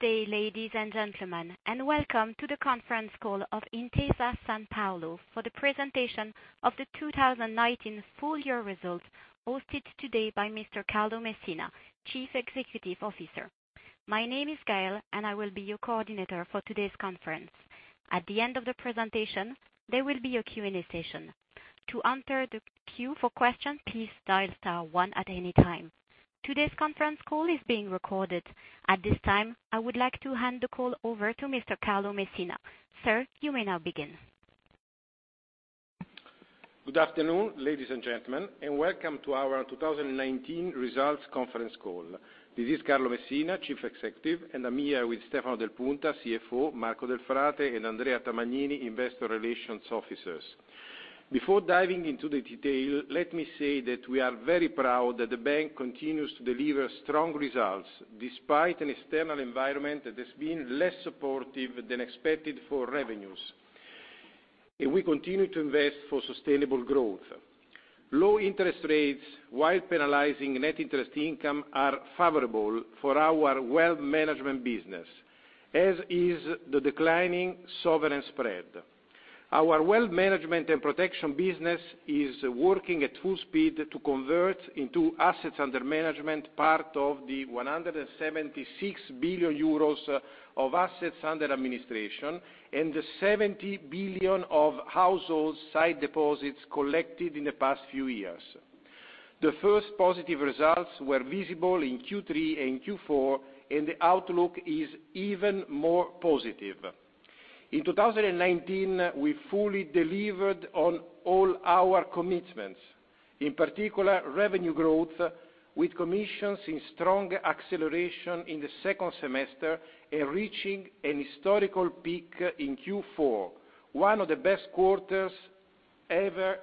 Good day, ladies and gentlemen, and welcome to the conference call of Intesa Sanpaolo for the presentation of the 2019 full year results, hosted today by Mr. Carlo Messina, Chief Executive Officer. My name is Gaelle, and I will be your coordinator for today's conference. At the end of the presentation, there will be a Q&A session. To enter the queue for questions, please dial star one at any time. Today's conference call is being recorded. At this time, I would like to hand the call over to Mr. Carlo Messina. Sir, you may now begin. Good afternoon, ladies and gentlemen, and welcome to our 2019 results conference call. This is Carlo Messina, Chief Executive, and I'm here with Stefano Del Punta, CFO, Marco Delfrate, and Andrea Tamagnini, investor relations officers. Before diving into the detail, let me say that we are very proud that the bank continues to deliver strong results despite an external environment that has been less supportive than expected for revenues, and we continue to invest for sustainable growth. Low interest rates, while penalizing net interest income, are favorable for our wealth management business, as is the declining sovereign spread. Our wealth management and protection business is working at full speed to convert into assets under management, part of the 176 billion euros of assets under administration and the 70 billion of household side deposits collected in the past few years. The first positive results were visible in Q3 and Q4, the outlook is even more positive. In 2019, we fully delivered on all our commitments, in particular, revenue growth, with commissions in strong acceleration in the second semester and reaching an historical peak in Q4, one of the best quarters ever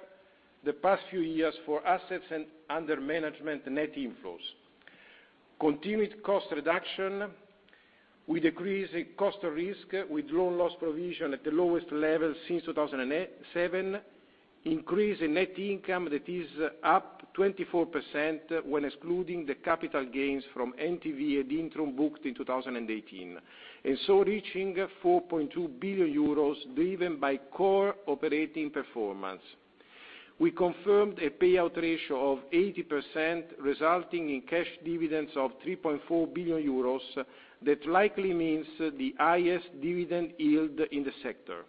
the past few years for assets under management net inflows. Continued cost reduction with decreasing cost of risk, with loan loss provision at the lowest level since 2007, increase in net income that is up 24% when excluding the capital gains from NTV and Intrum booked in 2018, reaching 4.2 billion euros, driven by core operating performance. We confirmed a payout ratio of 80%, resulting in cash dividends of 3.4 billion euros. That likely means the highest dividend yield in the sector.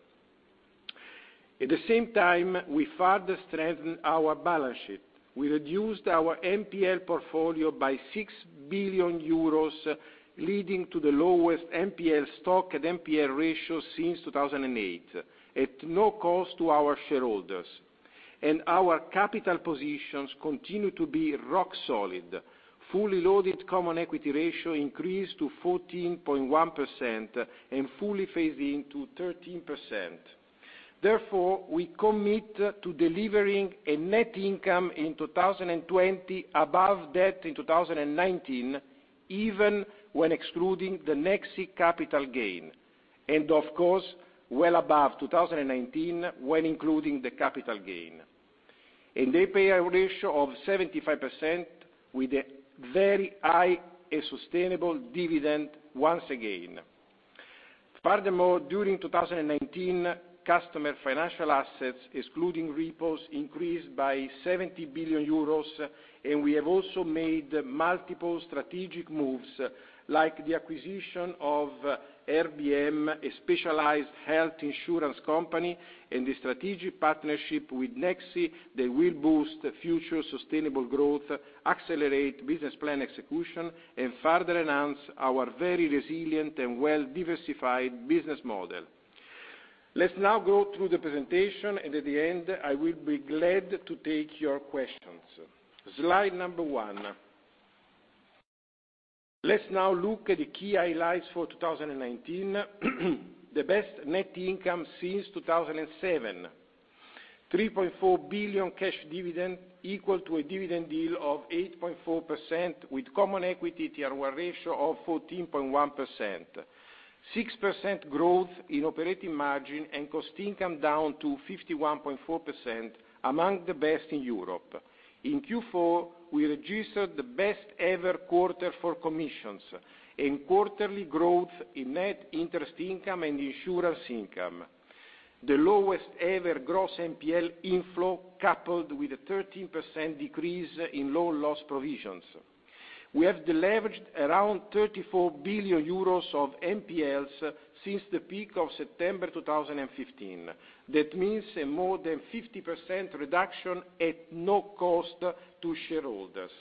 At the same time, we further strengthened our balance sheet. We reduced our NPL portfolio by 6 billion euros, leading to the lowest NPL stock and NPL ratio since 2008, at no cost to our shareholders. Our capital positions continue to be rock solid. Fully loaded common equity ratio increased to 14.1% and fully phased in to 13%. Therefore, we commit to delivering a net income in 2020 above that in 2019, even when excluding the Nexi capital gain, and of course, well above 2019 when including the capital gain. A payout ratio of 75% with a very high and sustainable dividend once again. During 2019, customer financial assets, excluding repos, increased by 70 billion euros, and we have also made multiple strategic moves, like the acquisition of RBM, a specialized health insurance company, and the strategic partnership with Nexi that will boost future sustainable growth, accelerate business plan execution, and further enhance our very resilient and well-diversified business model. Let's now go through the presentation, and at the end, I will be glad to take your questions. Slide number one. Let's now look at the key highlights for 2019. The best net income since 2007. 3.4 billion cash dividend, equal to a dividend yield of 8.4% with common equity Tier 1 ratio of 14.1%. 6% growth in operating margin and cost income down to 51.4%, among the best in Europe. In Q4, we registered the best-ever quarter for commissions and quarterly growth in net interest income and insurance income. The lowest-ever gross NPL inflow, coupled with a 13% decrease in loan loss provisions. We have deleveraged around 34 billion euros of NPLs since the peak of September 2015. That means a more than 50% reduction at no cost to shareholders.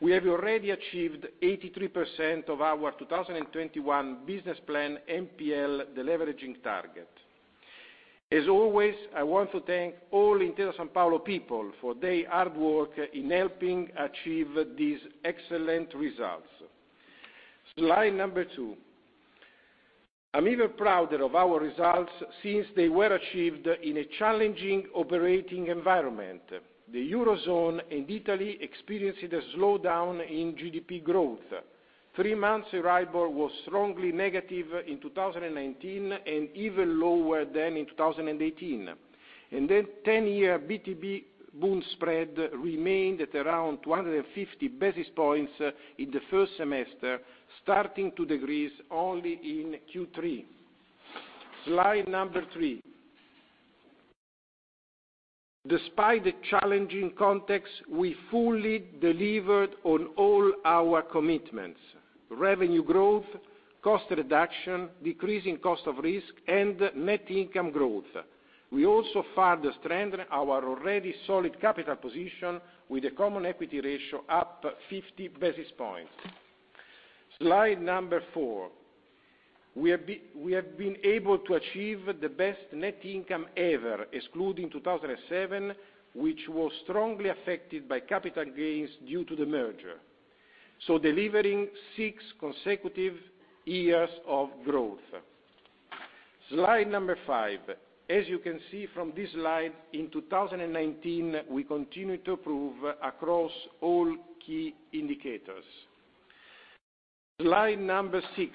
We have already achieved 83% of our 2021 business plan NPL deleveraging target. As always, I want to thank all Intesa Sanpaolo people for their hard work in helping achieve these excellent results. Slide number two. I'm even prouder of our results since they were achieved in a challenging operating environment. The Eurozone and Italy experienced a slowdown in GDP growth. Three months EURIBOR was strongly negative in 2019 and even lower than in 2018, and the 10-year BTP-Bund spread remained at around 150 basis points in the first semester, starting to decrease only in Q3. Slide number three. Despite the challenging context, we fully delivered on all our commitments: revenue growth, cost reduction, decreasing cost of risk, and net income growth. We also further strengthened our already solid capital position with a common equity ratio up 50 basis points. Slide number four. We have been able to achieve the best net income ever, excluding 2007, which was strongly affected by capital gains due to the merger. Delivering six consecutive years of growth. Slide number five. As you can see from this slide, in 2019, we continued to improve across all key indicators. Slide number six.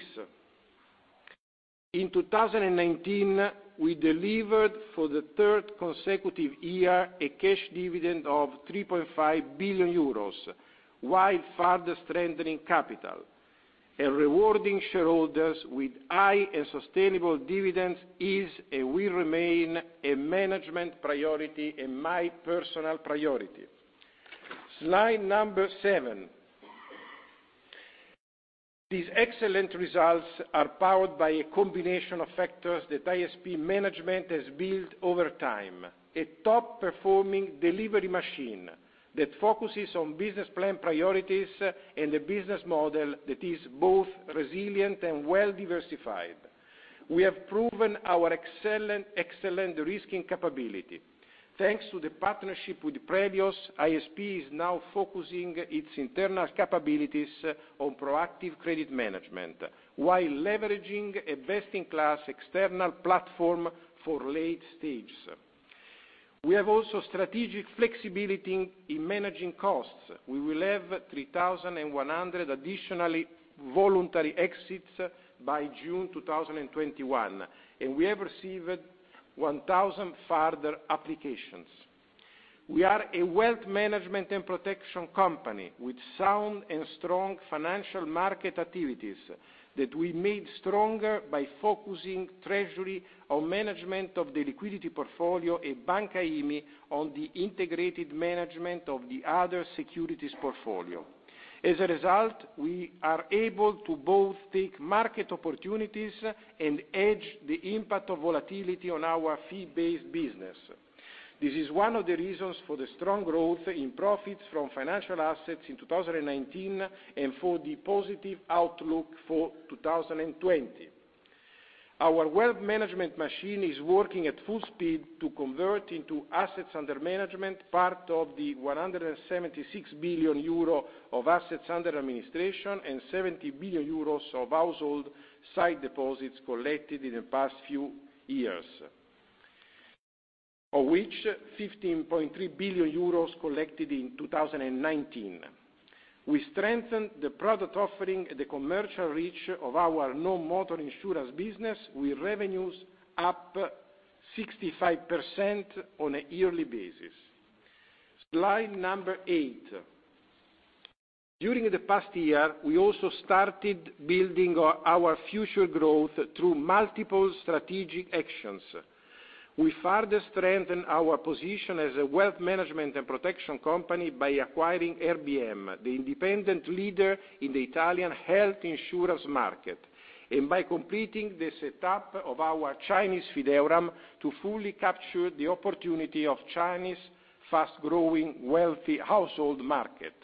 In 2019, we delivered, for the third consecutive year, a cash dividend of 3.5 billion euros while further strengthening capital. Rewarding shareholders with high and sustainable dividends is, and will remain, a management priority, and my personal priority. Slide number seven. These excellent results are powered by a combination of factors that ISP management has built over time. A top-performing delivery machine that focuses on business plan priorities and a business model that is both resilient and well-diversified. We have proven our excellent de-risking capability. Thanks to the partnership with Prelios, ISP is now focusing its internal capabilities on proactive credit management while leveraging a best-in-class external platform for late stages. We have also strategic flexibility in managing costs. We will have 3,100 additional voluntary exits by June 2021, and we have received 1,000 further applications. We are a wealth management and protection company with sound and strong financial market activities that we made stronger by focusing treasury on management of the liquidity portfolio and Banca IMI on the integrated management of the other securities portfolio. As a result, we are able to both take market opportunities and hedge the impact of volatility on our fee-based business. This is one of the reasons for the strong growth in profits from financial assets in 2019 and for the positive outlook for 2020. Our wealth management machine is working at full speed to convert into assets under management part of the 176 billion euro of assets under administration and 70 billion euros of household sight deposits collected in the past few years, of which 15.3 billion euros collected in 2019. We strengthened the product offering and the commercial reach of our non-motor insurance business, with revenues up 65% on a yearly basis. Slide number eight. During the past year, we also started building our future growth through multiple strategic actions. We further strengthened our position as a wealth management and protection company by acquiring RBM, the independent leader in the Italian health insurance market, and by completing the setup of our Chinese Fideuram to fully capture the opportunity of Chinese's fast-growing wealthy household market.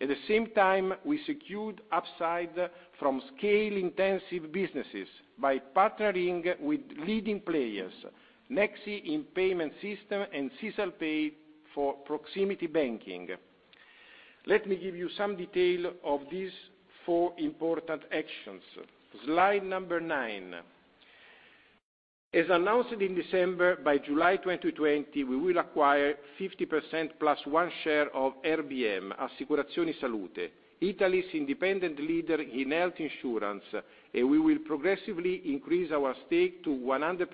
At the same time, we secured upside from scale-intensive businesses by partnering with leading players, Nexi in payment system and SisalPay for proximity banking. Let me give you some detail of these four important actions. Slide number 9. As announced in December, by July 2020, we will acquire 50% plus one share of RBM Assicurazioni Salute, Italy's independent leader in health insurance, and we will progressively increase our stake to 100%.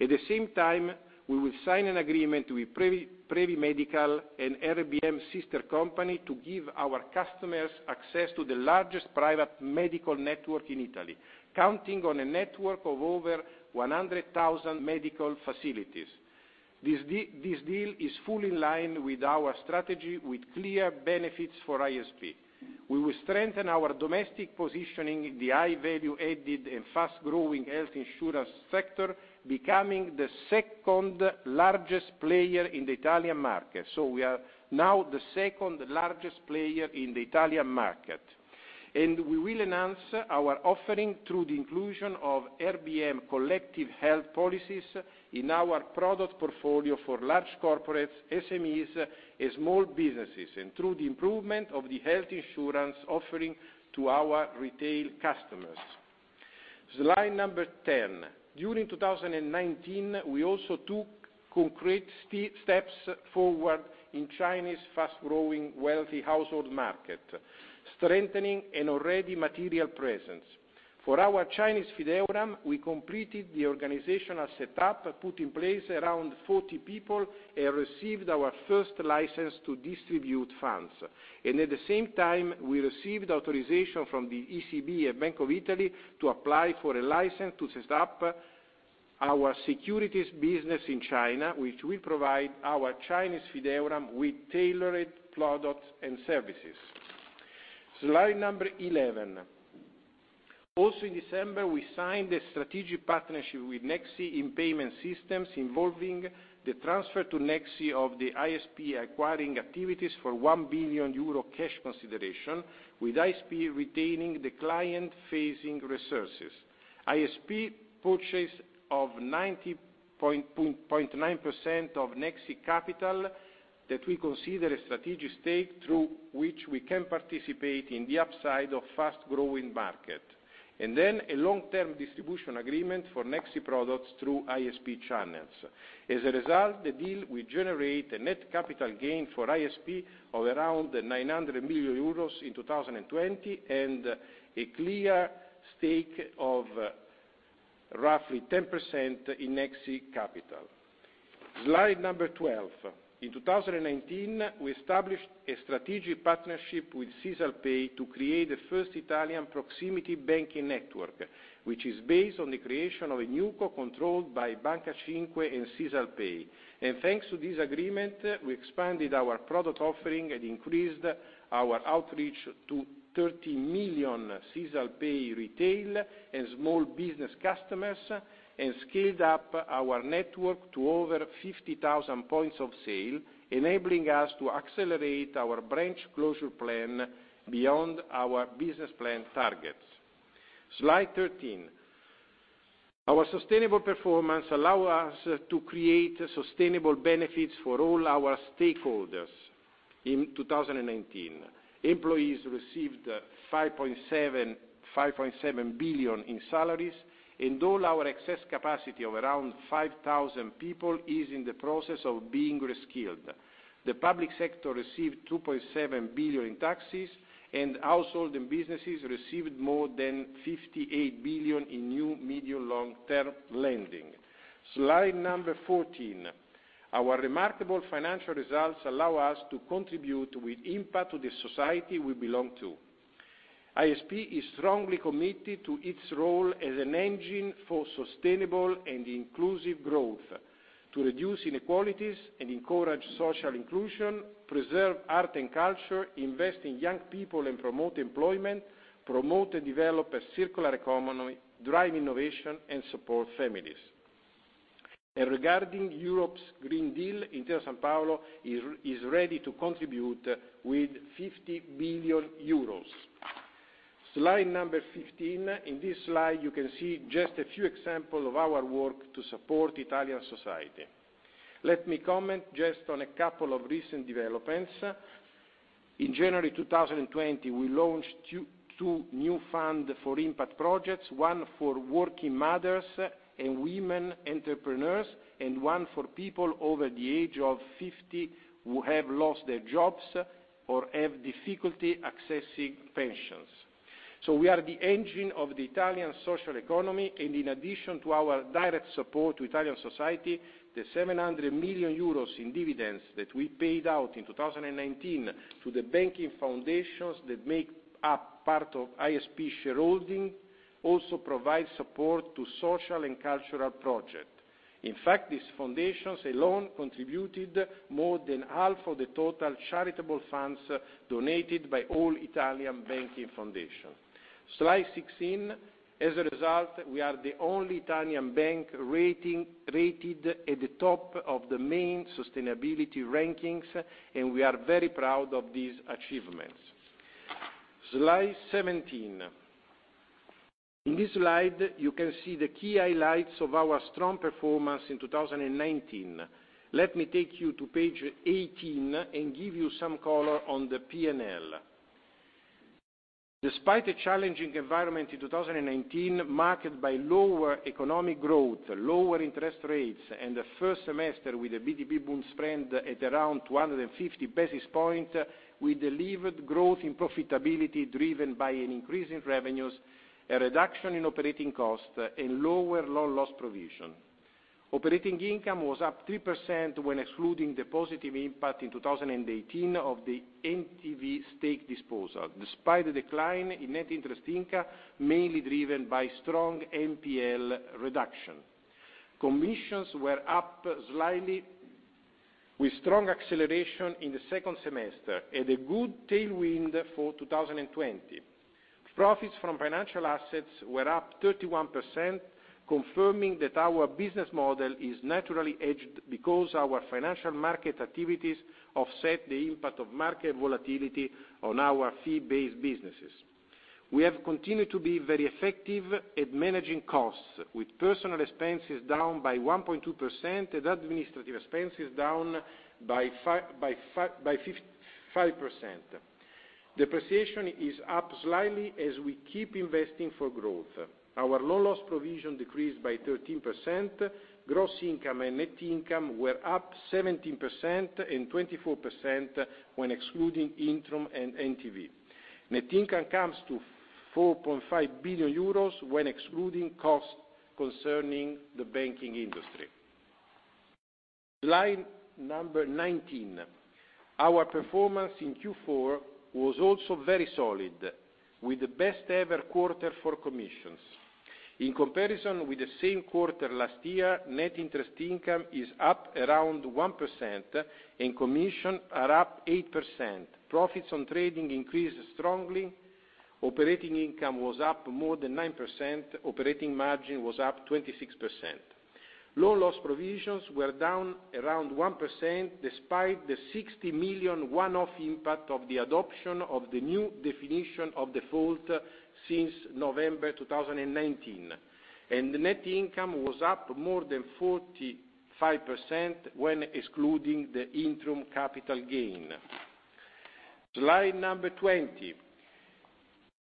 At the same time, we will sign an agreement with Previmedical and RBM Assicurazione Salute to give our customers access to the largest private medical network in Italy, counting on a network of over 100,000 medical facilities. This deal is fully in line with our strategy with clear benefits for ISP. We will strengthen our domestic positioning in the high value-added and fast-growing health insurance sector, becoming the second largest player in the Italian market so we are now the second largest player in the Italian market. We will enhance our offering through the inclusion of RBM collective health policies in our product portfolio for large corporates, SMEs, and small businesses, and through the improvement of the health insurance offering to our retail customers. Slide number 10. During 2019, we also took concrete steps forward in Chinese fast-growing wealthy household market, strengthening an already material presence. For our Chinese Fideuram, we completed the organizational setup, put in place around 40 people, received our first license to distribute funds. At the same time, we received authorization from the ECB and Bank of Italy to apply for a license to set up our securities business in China, which will provide our Chinese Fideuram with tailored products and services. Slide number 11. Also in December, we signed a strategic partnership with Nexi in payment systems, involving the transfer to Nexi of the ISP acquiring activities for 1 billion euro cash consideration, with ISP retaining the client-facing resources. ISP purchase of 9.9% of Nexi capital, that we consider a strategic stake through which we can participate in the upside of fast-growing market. Then a long-term distribution agreement for Nexi products through ISP channels. As a result, the deal will generate a net capital gain for ISP of around 900 million euros in 2020, and a clear stake of roughly 10% in Nexi capital. Slide number 12. In 2019, we established a strategic partnership with SisalPay to create the first Italian proximity banking network, which is based on the creation of a new co-controlled by Banca 5 and SisalPay. Thanks to this agreement, we expanded our product offering and increased our outreach to 30 million SisalPay retail and small business customers, and scaled up our network to over 50,000 points of sale, enabling us to accelerate our branch closure plan beyond our business plan targets. Slide 13. Our sustainable performance allow us to create sustainable benefits for all our stakeholders in 2019 employees received 5.7 billion in salaries, and all our excess capacity of around 5,000 people is in the process of being reskilled. The public sector received 2.7 billion in taxes, and household and businesses received more than 58 billion in new medium long-term lending. Slide number 14. Our remarkable financial results allow us to contribute with impact to the society we belong to. ISP is strongly committed to its role as an engine for sustainable and inclusive growth, to reduce inequalities and encourage social inclusion, preserve art and culture, invest in young people and promote employment, promote and develop a circular economy, drive innovation, and support families. Regarding Europe's Green Deal, Intesa Sanpaolo is ready to contribute with 50 billion euros. Slide number 15 in this slide, you can see just a few example of our work to support Italian society. Let me comment just on a couple of recent developments. In January 2020, we launched two new fund for impact projects, one for working mothers and women entrepreneurs, and one for people over the age of 50 who have lost their jobs or have difficulty accessing pensions. We are the engine of the Italian social economy, and in addition to our direct support to Italian society, the 700 million euros in dividends that we paid out in 2019 to the banking foundations that make up part of ISP shareholding, also provide support to social and cultural project. In fact, these foundations alone contributed more than half of the total charitable funds donated by all Italian banking foundation. Slide 16. As a result, we are the only Italian bank rated at the top of the main sustainability rankings, and we are very proud of these achievements. Slide 17. In this slide, you can see the key highlights of our strong performance in 2019. Let me take you to page 18 and give you some color on the P&L. Despite a challenging environment in 2019, marked by lower economic growth, lower interest rates, and the first semester with a BTP-Bund spread at around 150 basis points, we delivered growth in profitability driven by an increase in revenues, a reduction in operating costs, and lower loan loss provision. Operating income was up 3% when excluding the positive impact in 2018 of the NTV stake disposal, despite a decline in net interest income, mainly driven by strong NPL reduction. Commissions were up slightly with strong acceleration in the second semester and a good tailwind for 2020. Profits from financial assets were up 31%, confirming that our business model is naturally hedged because our financial market activities offset the impact of market volatility on our fee-based businesses. We have continued to be very effective at managing costs, with personnel expenses down by 1.2% and administrative expenses down by 55%. Depreciation is up slightly as we keep investing for growth. Our loan loss provision decreased by 13%. Gross income and net income were up 17% and 24% when excluding Intrum and NTV. Net income comes to 4.5 billion euros when excluding costs concerning the banking industry. Slide number 19. Our performance in Q4 was also very solid, with the best-ever quarter for commissions. In comparison with the same quarter last year, net interest income is up around 1% and commission are up 8%. Profits on trading increased strongly. Operating income was up more than 9%. Operating margin was up 26%. Loan loss provisions were down around 1%, despite the 60 million one-off impact of the adoption of the new definition of default since November 2019. Net income was up more than 45% when excluding the interim capital gain. Slide number 20.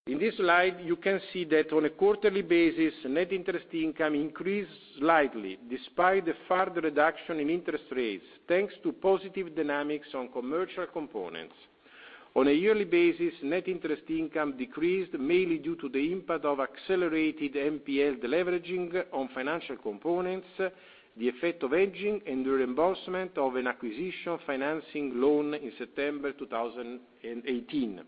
In this slide, you can see that on a quarterly basis, net interest income increased slightly despite the further reduction in interest rates, thanks to positive dynamics on commercial components. On a yearly basis, net interest income decreased mainly due to the impact of accelerated NPL deleveraging on financial components, the effect of hedging, and the reimbursement of an acquisition financing loan in September 2018.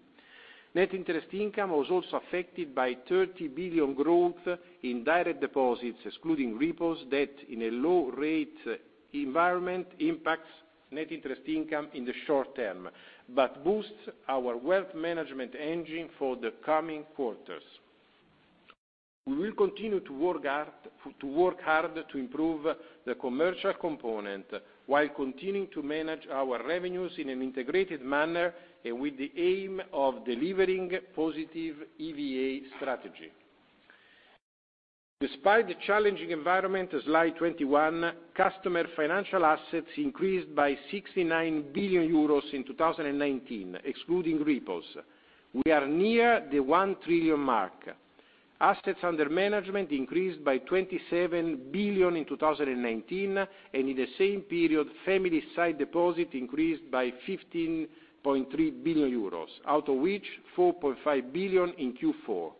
Net interest income was also affected by 30 billion growth in direct deposits, excluding repos, that in a low rate environment impacts net interest income in the short term, but boosts our wealth management engine for the coming quarters. We will continue to work hard to improve the commercial component while continuing to manage our revenues in an integrated manner and with the aim of delivering positive EVA strategy. Despite the challenging environment, slide 21, customer financial assets increased by 69 billion euros in 2019, excluding repos. We are near the 1 trillion mark. Assets under management increased by 27 billion in 2019. In the same period, family side deposit increased by 15.3 billion euros, out of which 4.5 billion in Q4.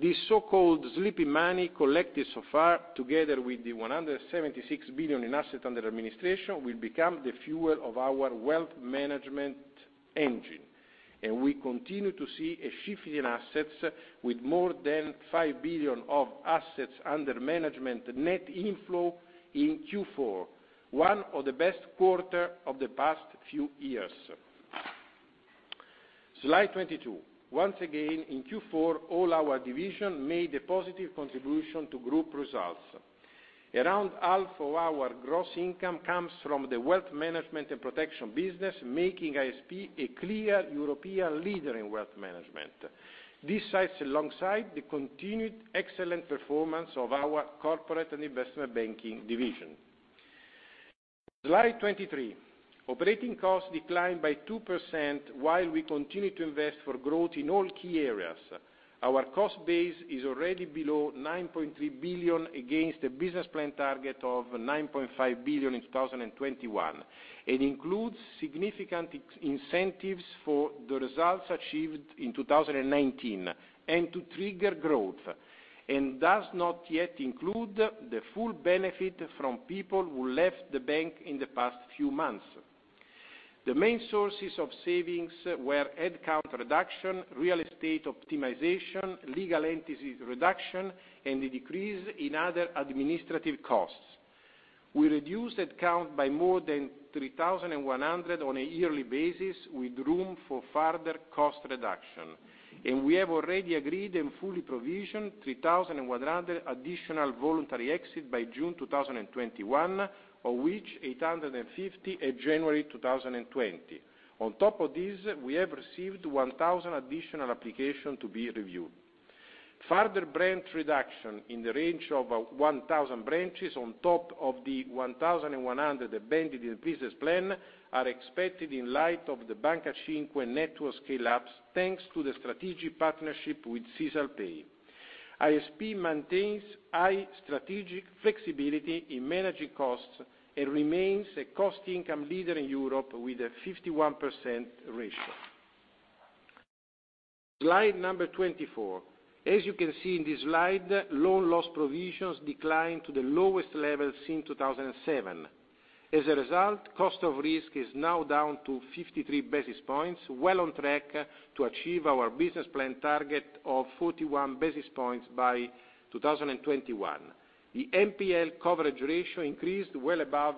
This so-called sleeping money collected so far, together with the 176 billion in assets under administration, will become the fuel of our wealth management engine. We continue to see a shift in assets with more than 5 billion of assets under management net inflow in Q4, one of the best quarter of the past few years. Slide 22. Once again, in Q4, all our division made a positive contribution to group results. Around half of our gross income comes from the wealth management and protection business, making ISP a clear European leader in wealth management. This sits alongside the continued excellent performance of our corporate and investment banking division. Slide 23. Operating costs declined by 2% while we continue to invest for growth in all key areas. Our cost base is already below 9.3 billion against a business plan target of 9.5 billion in 2021. It includes significant incentives for the results achieved in 2019 and to trigger growth, and does not yet include the full benefit from people who left the bank in the past few months. The main sources of savings were headcount reduction, real estate optimization, legal entities reduction, and the decrease in other administrative costs. We reduced headcount by more than 3,100 on a yearly basis, with room for further cost reduction, and we have already agreed and fully provisioned 3,100 additional voluntary exit by June 2021, of which 850 at January 2020. On top of this, we have received 1,000 additional application to be reviewed. Further branch reduction in the range of 1,000 branches on top of the 1,100 abandoned in business plan are expected in light of the Banca 5 network scale-ups, thanks to the strategic partnership with SisalPay. ISP maintains high strategic flexibility in managing costs and remains a cost income leader in Europe with a 51% ratio. Slide number 24. As you can see in this slide, loan loss provisions declined to the lowest levels since 2007. As a result, cost of risk is now down to 53 basis points, well on track to achieve our business plan target of 41 basis points by 2021. The NPL coverage ratio increased well above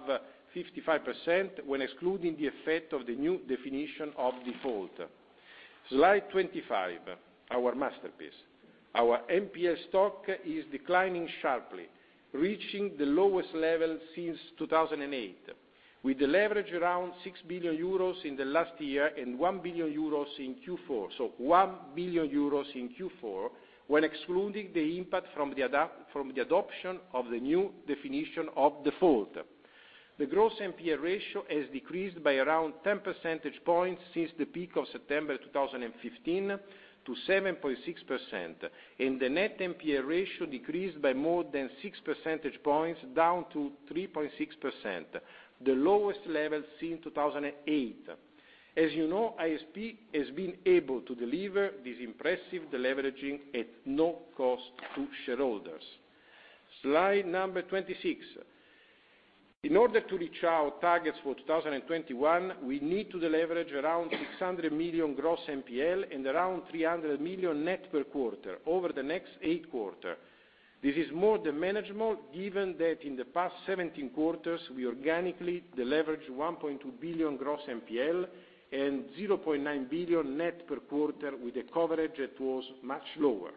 55% when excluding the effect of the new definition of default. Slide 25, our masterpiece. Our NPL stock is declining sharply, reaching the lowest level since 2008, with a leverage around 6 billion euros in the last year and 1 billion euros in Q4 when excluding the impact from the adoption of the new definition of default. The gross NPL ratio has decreased by around 10 percentage points since the peak of September 2015 to 7.6%, and the net NPL ratio decreased by more than six percentage points, down to 3.6%, the lowest level since 2008. As you know, ISP has been able to deliver this impressive deleveraging at no cost to shareholders. Slide number 26. In order to reach our targets for 2021, we need to deleverage around 600 million gross NPL and around 300 million net per quarter over the next eight quarter. This is more than manageable given that in the past 17 quarters, we organically deleveraged 1.2 billion gross NPL and 0.9 billion net per quarter with a coverage that was much lower.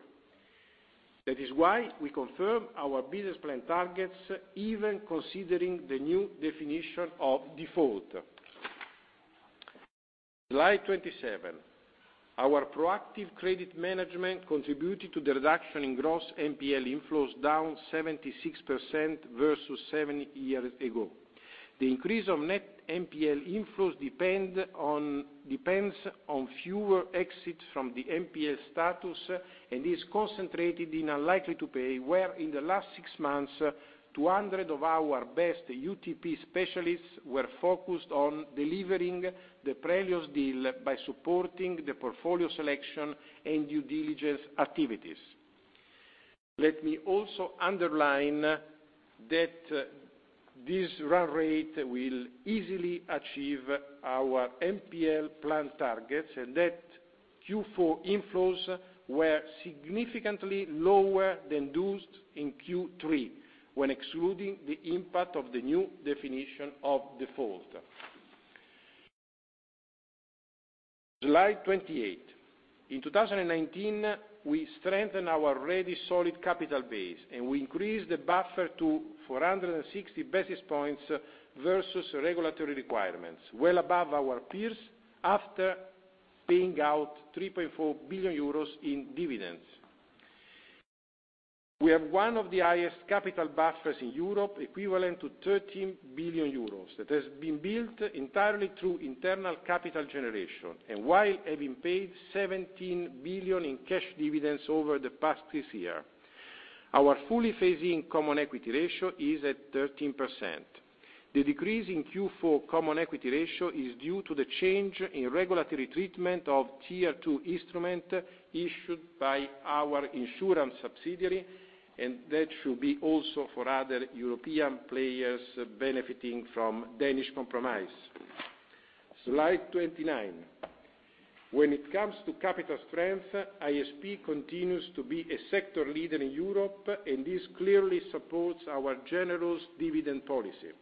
That is why we confirm our business plan targets, even considering the new definition of default. Slide 27. Our proactive credit management contributed to the reduction in gross NPL inflows, down 76% versus seven years ago. The increase of net NPL inflows depends on fewer exits from the NPL status and is concentrated in unlikely to pay, where in the last six months, 200 of our best UTP specialists were focused on delivering the previous deal by supporting the portfolio selection and due diligence activities. Let me also underline that this run rate will easily achieve our NPL plan targets, and that Q4 inflows were significantly lower than those in Q3 when excluding the impact of the new definition of default. Slide 28. In 2019, we strengthened our already solid capital base, and we increased the buffer to 460 basis points versus regulatory requirements, well above our peers after paying out 3.4 billion euros in dividends. We have one of the highest capital buffers in Europe, equivalent to 13 billion euros that has been built entirely through internal capital generation, and while having paid 17 billion in cash dividends over the past three year. Our fully phasing common equity ratio is at 13%. The decrease in Q4 common equity ratio is due to the change in regulatory treatment of Tier 2 instrument issued by our insurance subsidiary. That should be also for other European players benefiting from Danish Compromise. Slide 29. When it comes to capital strength, ISP continues to be a sector leader in Europe and this clearly supports our generous dividend policy.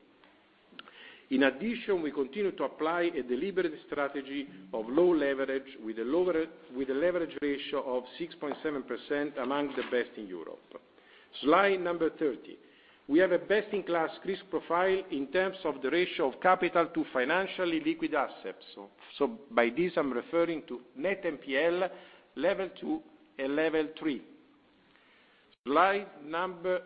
In addition, we continue to apply a deliberate strategy of low leverage with a leverage ratio of 6.7% among the best in Europe. Slide number 30. We have a best-in-class risk profile in terms of the ratio of capital to financially liquid assets by this, I'm referring to net NPL Level 2 and Level 3. Slide number.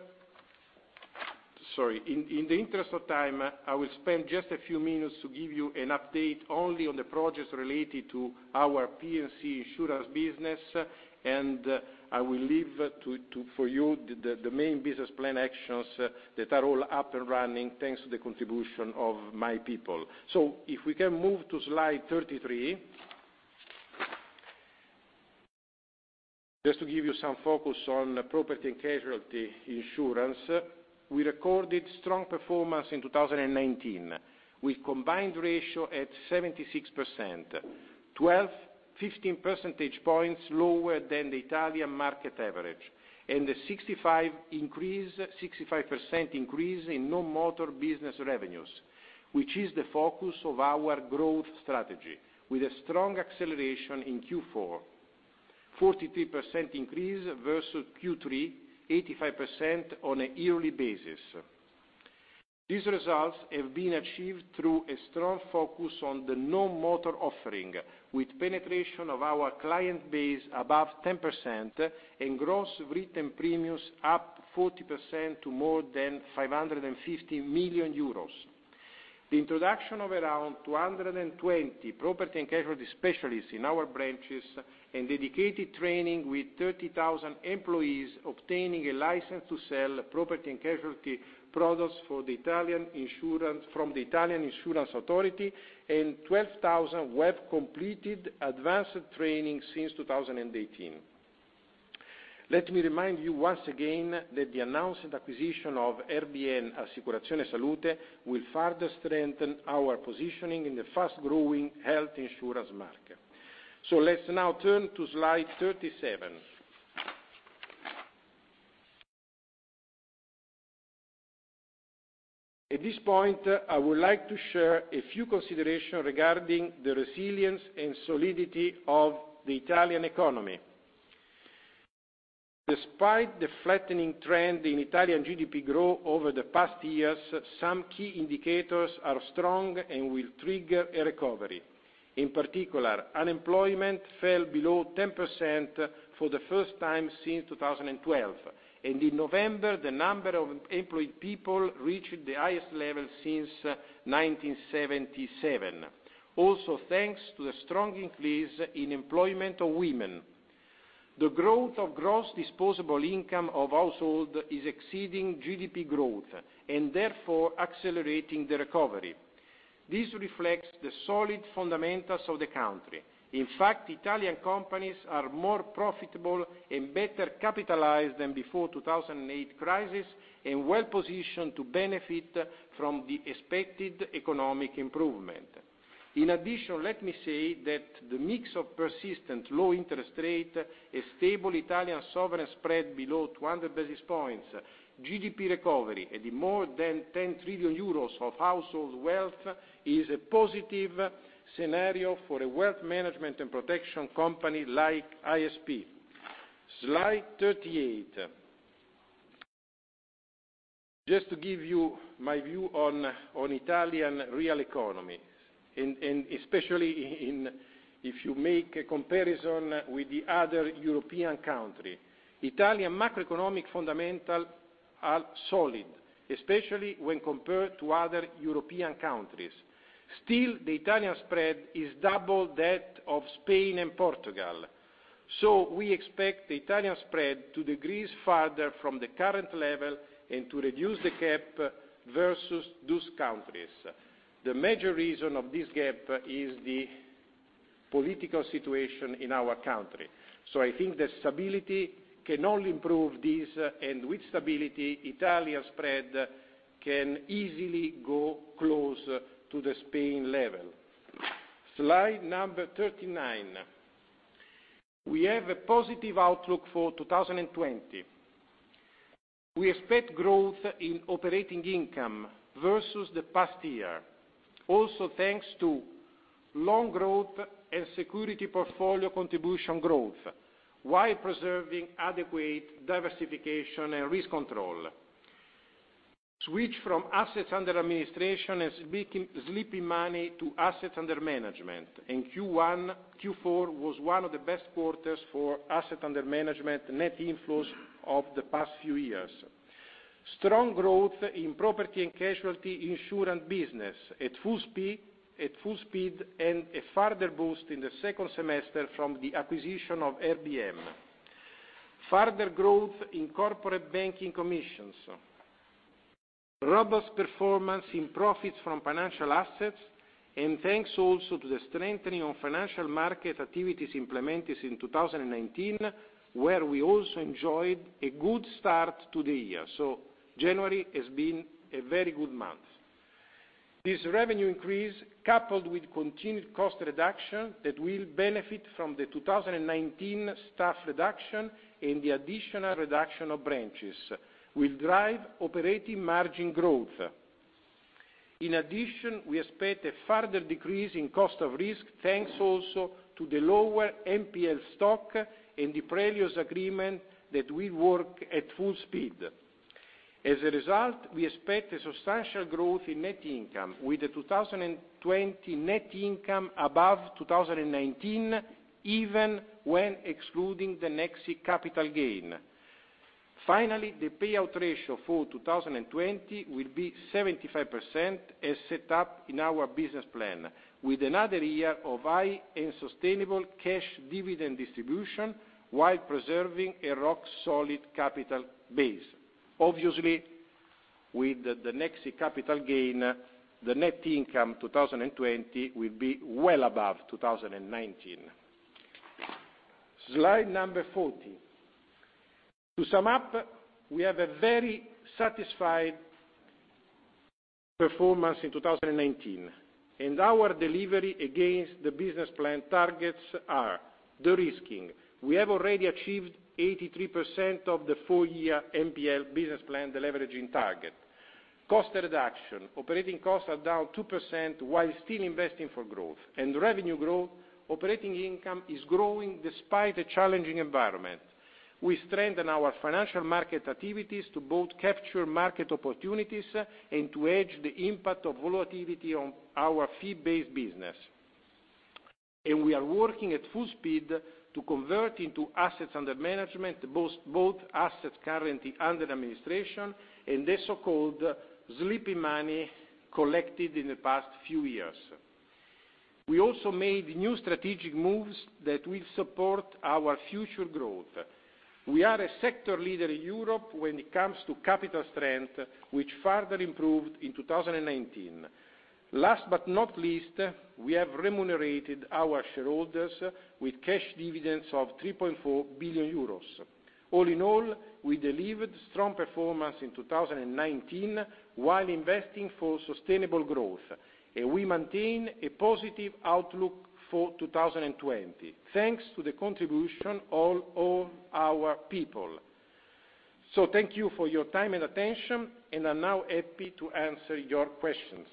Sorry. In the interest of time, I will spend just a few minutes to give you an update only on the projects related to our P&C insurance business, and I will leave for you the main business plan actions that are all up and running thanks to the contribution of my people. If we can move to slide 33. Just to give you some focus on Property and Casualty insurance, we recorded strong performance in 2019 with combined ratio at 76%, 12, 15 percentage points lower than the Italian market average, and a 65% increase in non-motor business revenues, which is the focus of our growth strategy with a strong acceleration in Q4, 43% increase versus Q3, 85% on a yearly basis. These results have been achieved through a strong focus on the non-motor offering, with penetration of our client base above 10% and gross written premiums up 40% to more than 550 million euros. The introduction of around 220 Property and Casualty specialists in our branches and dedicated training with 30,000 employees obtaining a license to sell Property and Casualty products from the Italian Insurance Authority, and 12,000 who have completed advanced training since 2018. Let me remind you once again that the announced acquisition of RBM Assicurazioni Salute will further strengthen our positioning in the fast-growing health insurance market. Let's now turn to slide 37. At this point, I would like to share a few consideration regarding the resilience and solidity of the Italian economy. Despite the flattening trend in Italian GDP growth over the past years, some key indicators are strong and will trigger a recovery. In particular, unemployment fell below 10% for the first time since 2012, and in November, the number of employed people reached the highest level since 1977, also thanks to the strong increase in employment of women. The growth of gross disposable income of household is exceeding GDP growth, and therefore accelerating the recovery. This reflects the solid fundamentals of the country. In fact, Italian companies are more profitable and better capitalized than before 2008 crisis, and well-positioned to benefit from the expected economic improvement. Let me say that the mix of persistent low interest rate, a stable Italian sovereign spread below 200 basis points, GDP recovery, and more than 10 trillion euros of household wealth, is a positive scenario for a wealth management and protection company like ISP. Slide 38. Just to give you my view on Italian real economy, especially if you make a comparison with the other European country. Italian macroeconomic fundamental are solid, especially when compared to other European countries. The Italian spread is double that of Spain and Portugal. We expect the Italian spread to decrease further from the current level and to reduce the gap versus those countries. The major reason of this gap is the political situation in our country. I think that stability can only improve this, and with stability, Italian spread can easily go close to the Spain level. Slide number 39. We have a positive outlook for 2020. We expect growth in operating income versus the past year, also thanks to loan growth and security portfolio contribution growth, while preserving adequate diversification and risk control. Switch from assets under administration and sleeping money to assets under management. Q4 was one of the best quarters for asset under management net inflows of the past few years. Strong growth in Property and Casualty insurance business at full speed. A further boost in the second semester from the acquisition of RBM. Further growth in corporate banking commissions. Robust performance in profits from financial assets. Thanks also to the strengthening of financial market activities implemented in 2019, where we also enjoyed a good start to the year. January has been a very good month. This revenue increase, coupled with continued cost reduction that will benefit from the 2019 staff reduction and the additional reduction of branches, will drive operating margin growth. In addition, we expect a further decrease in cost of risk, thanks also to the lower NPL stock and the previous agreement that we work at full speed. As a result, we expect a substantial growth in net income, with the 2020 net income above 2019, even when excluding the Nexi capital gain. Finally, the payout ratio for 2020 will be 75% as set up in our business plan, with another year of high and sustainable cash dividend distribution, while preserving a rock-solid capital base. Obviously, with the Nexi capital gain, the net income 2020 will be well above 2019. Slide number 40. To sum up, we have a very satisfied performance in 2019, and our delivery against the business plan targets are: de-risking, we have already achieved 83% of the full year NPL business plan deleveraging target. Cost reduction, operating costs are down 2% while still investing for growth and revenue growth, operating income is growing despite a challenging environment. We strengthen our financial market activities to both capture market opportunities and to hedge the impact of volatility on our fee-based business. We are working at full speed to convert into assets under management both assets currently under administration and the so-called sleeping money collected in the past few years. We also made new strategic moves that will support our future growth. We are a sector leader in Europe when it comes to capital strength, which further improved in 2019. Last but not least, we have remunerated our shareholders with cash dividends of 3.4 billion euros. All in all, we delivered strong performance in 2019 while investing for sustainable growth, and we maintain a positive outlook for 2020, thanks to the contribution of all our people. Thank you for your time and attention, and I'm now happy to answer your questions.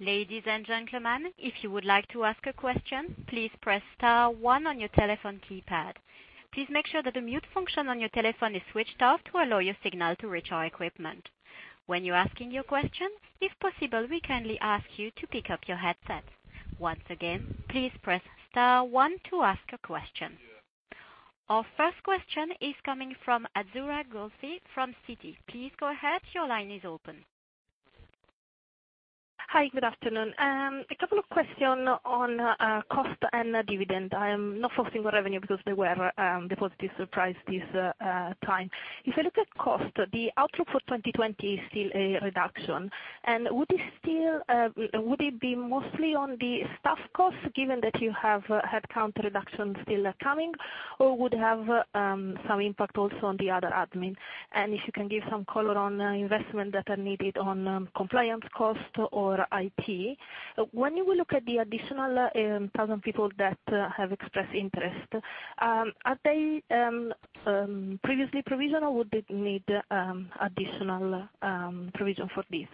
Ladies and gentlemen, if you would like to ask a question, please press star one on your telephone keypad. Please make sure that the mute function on your telephone is switched off to allow your signal to reach our equipment. When you are asking your question, if possible, we kindly ask you to pick up your headset. Once again, please press star one to ask a question. Our first question is coming from Azzurra Guelfi from Citi. Please go ahead, your line is open. Hi, good afternoon. A couple of questions on cost and dividend. I am not focusing on revenue because they were the positive surprise this time. If I look at cost, the outlook for 2020 is still a reduction, and would it be mostly on the staff cost? given that you have headcount reduction still coming? or would have some impact also on the other admin? If you can give some color on investment that are needed on compliance cost or IT. When you look at the additional 1,000 people that have expressed interest, are they previously provision or would it need additional provision for this?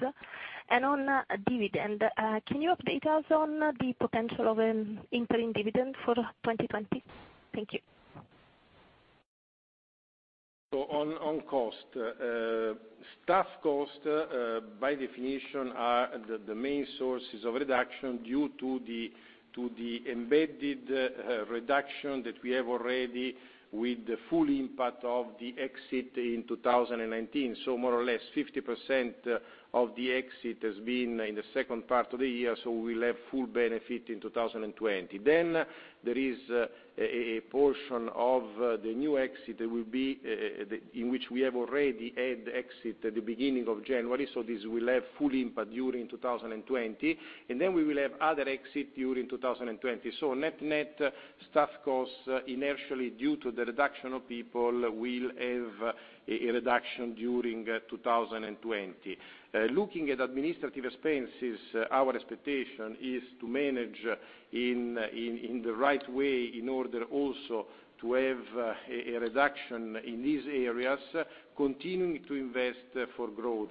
On dividend, can you update us on the potential of an interim dividend for 2020? Thank you. On cost. Staff costs, by definition, are the main sources of reduction due to the embedded reduction that we have already with the full impact of the exit in 2019 so more or less 50% of the exit has been in the second part of the year, so we will have full benefit in 2020 then, there is a portion of the new exit in which we have already had exit at the beginning of January, so this will have full impact during 2020. We will have other exit during 2020 so net-net staff costs, initially due to the reduction of people, will have a reduction during 2020. Looking at administrative expenses, our expectation is to manage in the right way in order also to have a reduction in these areas, continuing to invest for growth.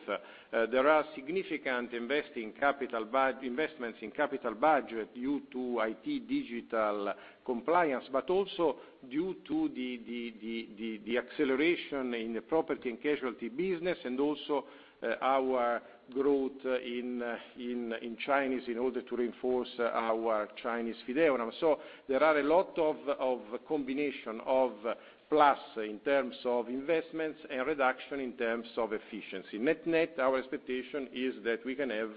There are significant investments in capital budget due to IT digital compliance, but also due to the acceleration in the Property and Casualty business and also our growth in Chinese in order to reinforce our Chinese Fideuram. There are a lot of combination of plus in terms of investments and reduction in terms of efficiency net-net, our expectation is that we can have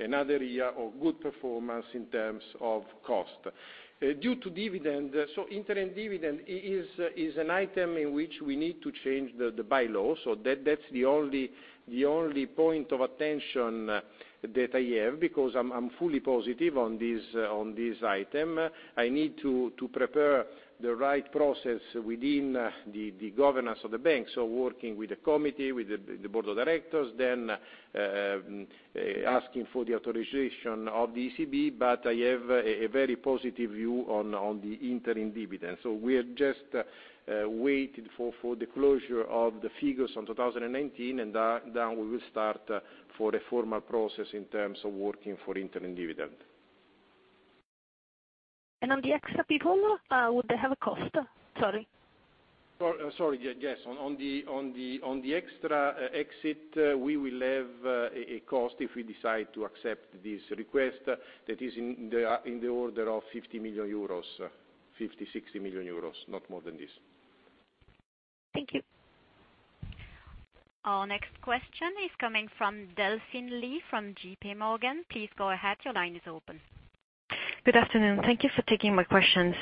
another year of good performance in terms of cost. Due to dividend, so interim dividend is an item in which we need to change the bylaw so that's the only point of attention that I have, because I'm fully positive on this item. I need to prepare the right process within the governance of the bank so working with the committee, with the Board of Directors, then asking for the authorization of the ECB, but I have a very positive view on the interim dividend so we're just waiting for the closure of the figures on 2019, and then we will start for the formal process in terms of working for interim dividend. On the extra people, would they have a cost? Sorry. Sorry. Yes. On the extra exit, we will have a cost if we decide to accept this request that is in the order of 50 million euros. 50 million-60 million euros, not more than this. Thank you. Our next question is coming from Delphine Lee from J.P. Morgan. Please go ahead. Your line is open. Good afternoon thank you for taking my questions.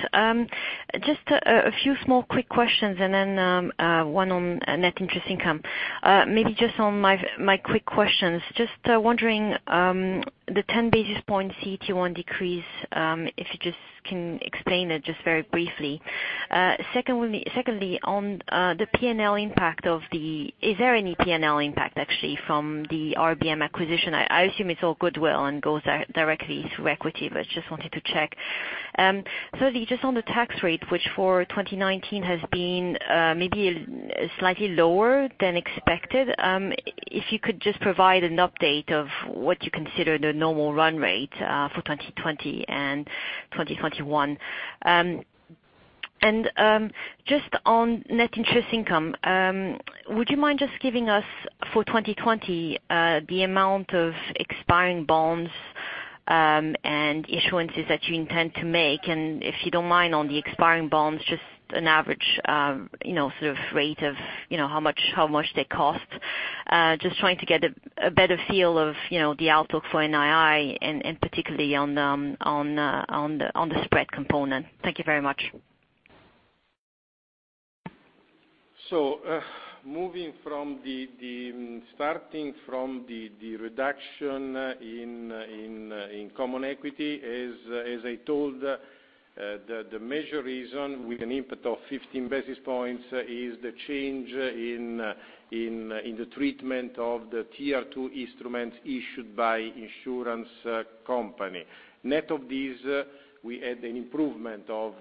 Just a few small quick questions and then one on net interest income. Maybe just on my quick questions, just wondering, the 10 basis point CET1 decrease, if you just can explain it just very briefly. Secondly, on the P&L impact, is there any P&L impact actually from the RBM acquisition? I assume it's all goodwill and goes directly through equity, but just wanted to check. Thirdly, just on the tax rate, which for 2019 has been maybe slightly lower than expected. If you could just provide an update of what you consider the normal run rate for 2020 and 2021. Just on net interest income, would you mind just giving us, for 2020, the amount of expiring bonds, and issuances that you intend to make? If you don't mind, on the expiring bonds, just an average rate of how much they cost. Just trying to get a better feel of the outlook for NII, and particularly on the spread component. Thank you very much. Starting from the reduction in common equity, as I told, the major reason with an input of 15 basis points is the change in the treatment of the Tier 2 instruments issued by insurance company. Net of this, we had an improvement of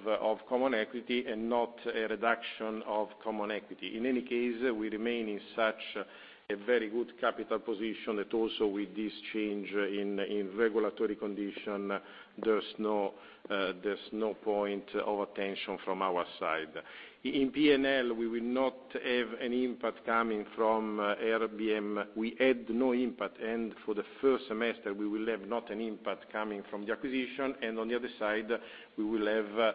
common equity and not a reduction of common equity in any case, we remain in such a very good capital position that also with this change in regulatory condition, there's no point of attention from our side. In P&L, we will not have an impact coming from RBM we had no impact, and for the first semester, we will have not an impact coming from the acquisition, and on the other side, we will have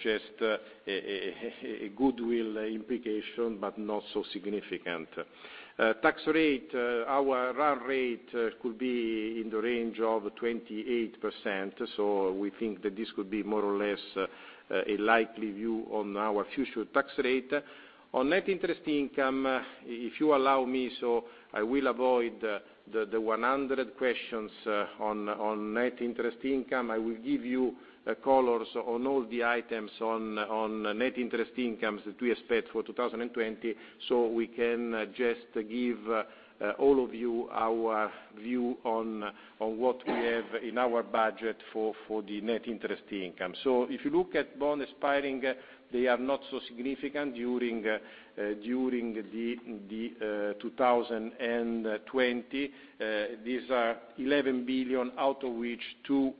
just a goodwill implication, but not so significant. Tax rate, our run rate could be in the range of 28% so we think that this could be more or less a likely view on our future tax rate. On net interest income, if you allow me so, I will avoid the 100 questions on net interest income i will give you colors on all the items on net interest income that we expect for 2020. We can just give all of you our view on what we have in our budget for the net interest income so if you look at bond expiring, they are not so significant during 2020. These are 11 billion, out of which 2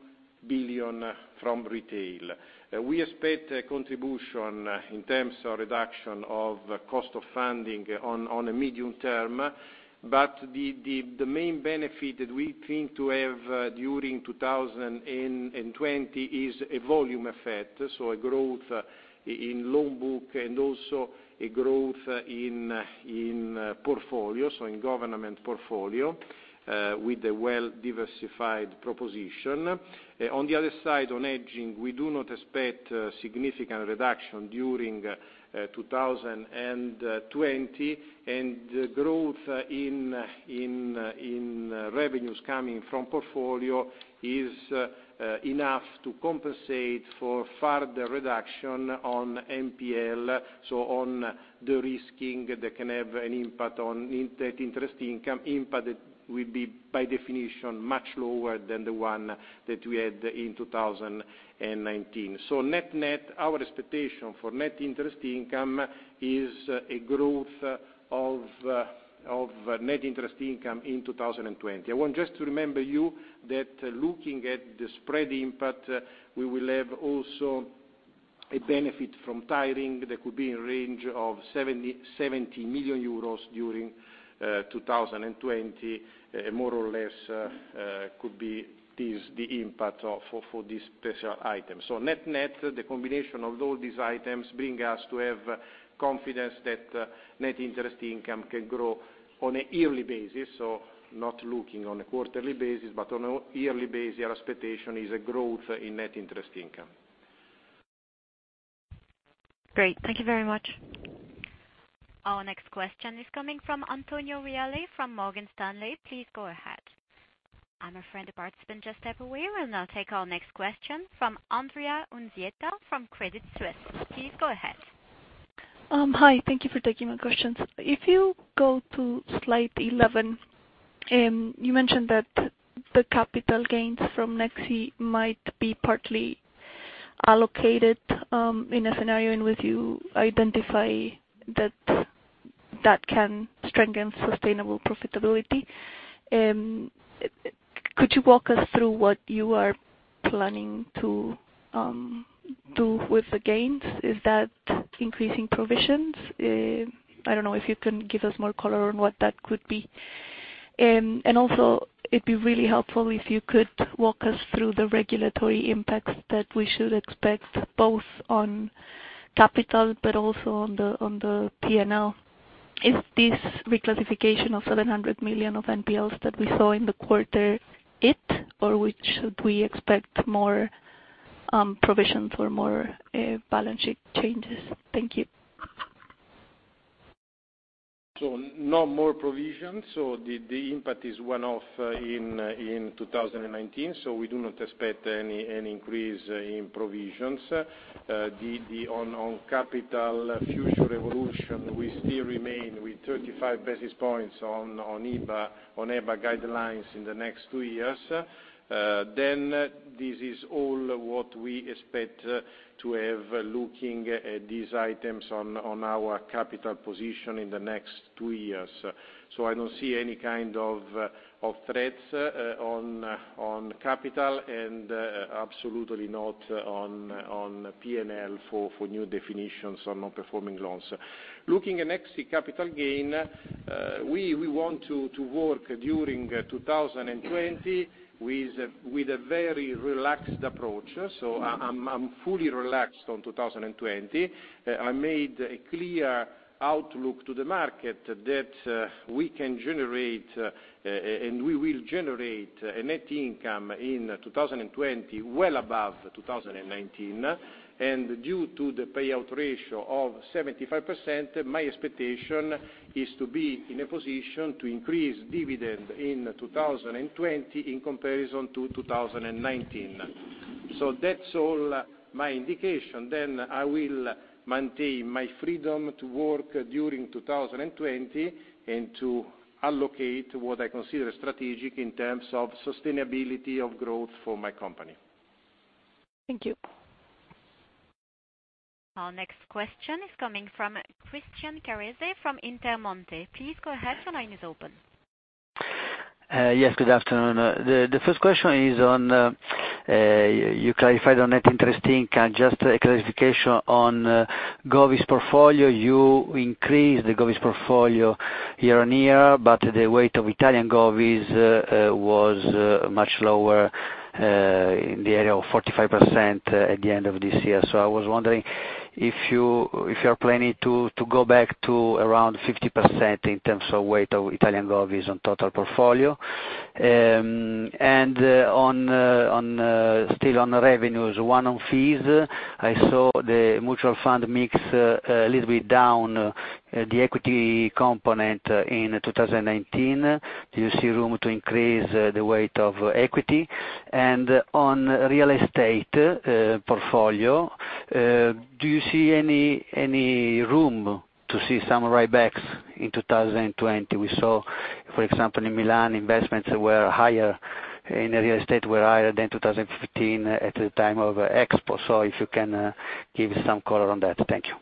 billion from retail. We expect a contribution in terms of reduction of cost of funding on the medium term. The main benefit that we think to have during 2020 is a volume effect, so a growth in loan book and also a growth in portfolio, so in government portfolio, with a well-diversified proposition. On the other side, on hedging, we do not expect a significant reduction during 2020, and growth in revenues coming from portfolio is enough to compensate for further reduction on NPL, so on de-risking, that can have an impact on net interest income impact will be by definition much lower than the one that we had in 2019. Net-net, our expectation for net interest income is a growth of net interest income in 2020 i want just to remember you that looking at the spread impact, we will have also a benefit from tiering that could be in range of 70 million euros during 2020, more or less could be the impact for this special item so net-net, the combination of all these items bring us to have confidence that net interest income can grow on a yearly basis. Not looking on a quarterly basis, but on a yearly basis, our expectation is a growth in net interest income. Great. Thank you very much. Our next question is coming from Antonio Reale from Morgan Stanley. Please go ahead. Our friend participant just stepped away. We will now take our next question from Andrea Unzue-Fleischer from Credit Suisse. Please go ahead. Hi thank you for taking my questions. If you go to slide 11, you mentioned that the capital gains from Nexi might be partly allocated in a scenario in which you identify that that can strengthen sustainable profitability. Could you walk us through what you are planning to do with the gains? Is that increasing provisions? I don't know if you can give us more color on what that could be. Also, it'd be really helpful if you could walk us through the regulatory impacts that we should expect, both on capital but also on the P&L. Is this reclassification of 700 million of NPLs that we saw in the quarter it? or should we expect more provisions or more balance sheet changes? Thank you. Not more provisions so the impact is one-off in 2019, so we do not expect any increase in provisions. On capital future evolution, we still remain with 35 basis points on EBA guidelines in the next two years. This is all what we expect to have looking at these items on our capital position in the next two years. I don't see any kind of threats on capital and absolutely not on P&L for new definitions on non-performing loans. Looking at Nexi capital gain, we want to work during 2020 with a very relaxed approach. so i'm fully relaxed on 2020. I made a clear outlook to the market that we can generate, and we will generate, a net income in 2020, well above 2019. Due to the payout ratio of 75%, my expectation is to be in a position to increase dividend in 2020 in comparison to 2019. That's all my indication then i will maintain my freedom to work during 2020 and to allocate what I consider strategic in terms of sustainability of growth for my company. Thank you. Our next question is coming from Christian Carrese from Intermonte. Please go ahead. Your line is open. Yes, good afternoon. The first question is on, you clarified on net interest income, just a clarification on govies portfolio you increased the govies portfolio year-over-year, but the weight of Italian govies was much lower, in the area of 45% at the end of this year so i was wondering if you are planning to go back to around 50% in terms of weight of Italian govies on total portfolio. Still on revenues, one on fees, I saw the mutual fund mix a little bit down the equity component in 2019. Do you see room to increase the weight of equity? On real estate portfolio, do you see any room to see some write-backs in 2020? we saw, for example, in Milan, investments were higher, in real estate were higher than 2015 at the time of Expo so if you can give some color on that thank you.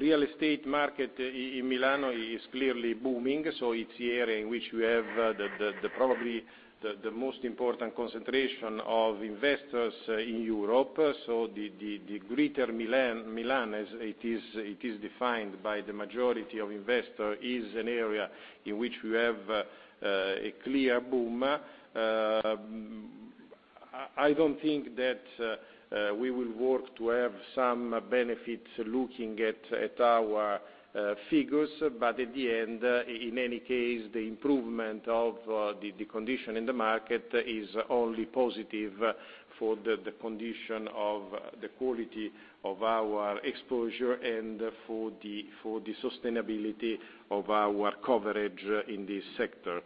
Real estate market in Milan is clearly booming so it's the area in which we have probably the most important concentration of investors in Europe so the greater Milan, as it is defined by the majority of investors, is an area in which we have a clear boom. I don't think that we will work to have some benefits looking at our figures so at the end, in any case, the improvement of the condition in the market is only positive for the condition of the quality of our exposure and for the sustainability of our coverage in this sector.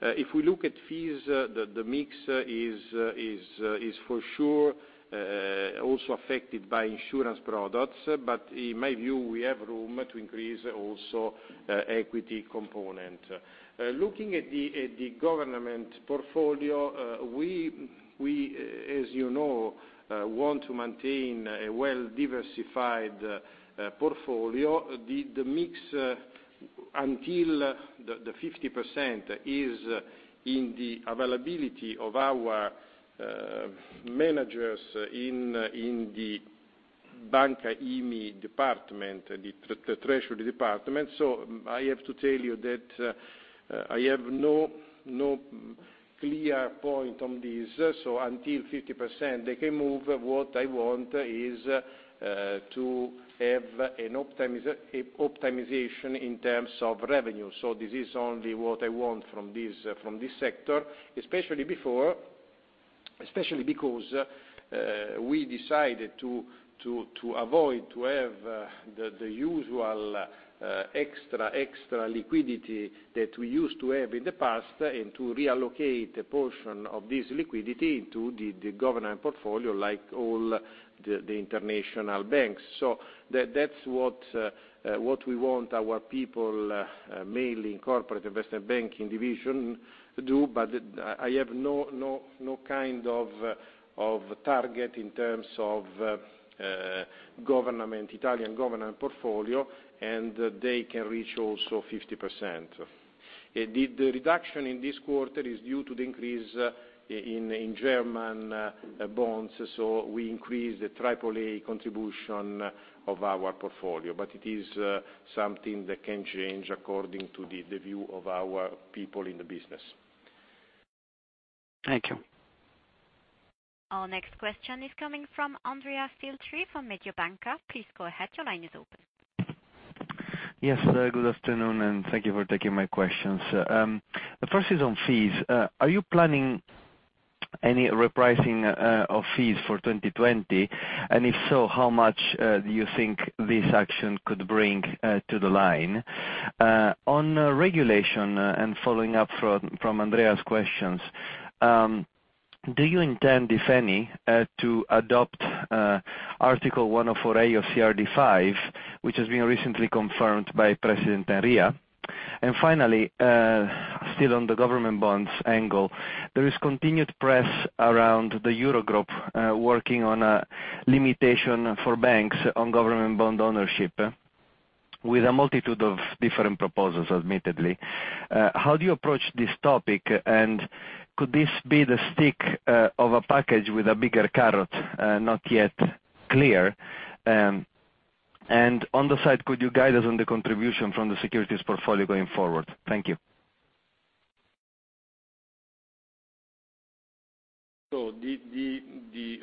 If we look at fees, the mix is for sure also affected by insurance products but in my view, we have room to increase also equity component. Looking at the government portfolio, we, as you know, want to maintain a well-diversified portfolio. The mix until the 50% is in the availability of our managers in the Banca IMI department, the treasury department so i have to tell you that I have no clear point on this so until 50%, they can move what I want is- -to have an optimization in terms of revenue. This is only what I want from this sector, especially because we decided to avoid to have the usual extra liquidity that we used to have in the past, and to reallocate a portion of this liquidity into the government portfolio, like all the international banks. That's what we want our people, Corporate Investment Banking division, to do. I have no kind of target in terms of Italian government portfolio, and they can reach also 50%. The reduction in this quarter is due to the increase in German bonds so we increased the AAA contribution of our portfolio but it is something that can change according to the view of our people in the business. Thank you. Our next question is coming from Andrea Filtri from Mediobanca. Please go ahead. Your line is open. Yes, good afternoon, thank you for taking my questions. The first is on fees. Are you planning any repricing of fees for 2020? If so, how much do you think this action could bring to the line? On regulation, and following up from Andrea's questions, do you intend, if any, to adopt Article 104a of CRD V, which has been recently confirmed by President Enria. Finally, still on the government bonds angle, there is continued press around the EuroGroup, working on a limitation for banks on government bond ownership, with a multitude of different proposals, admittedly. How do you approach this topic? and could this be the stick of a package with a bigger carrot, not yet clear? On the side, could you guide us on the contribution from the securities portfolio going forward? Thank you.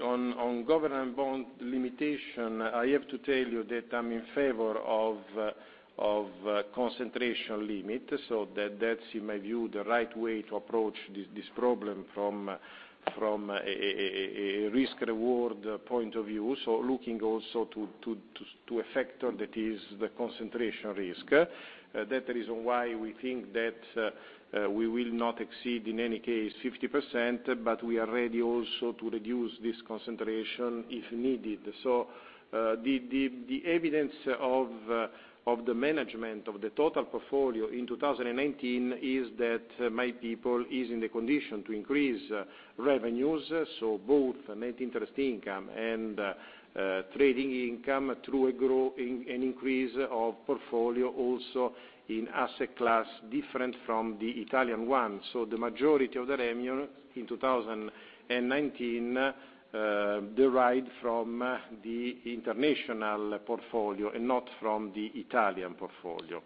On government bond limitation, I have to tell you that I'm in favor of concentration limit so that's, in my view, the right way to approach this problem from a risk-reward point of view so looking also to a factor that is the concentration risk. That is why we think that we will not exceed, in any case, 50%, but we are ready also to reduce this concentration if needed. The evidence of the management of the total portfolio in 2019 is that my people is in the condition to increase revenues, both net interest income and trading income, through an increase of portfolio, also in asset class different from the Italian one. The majority of the revenue in 2019 derived from the international portfolio and not from the Italian portfolio.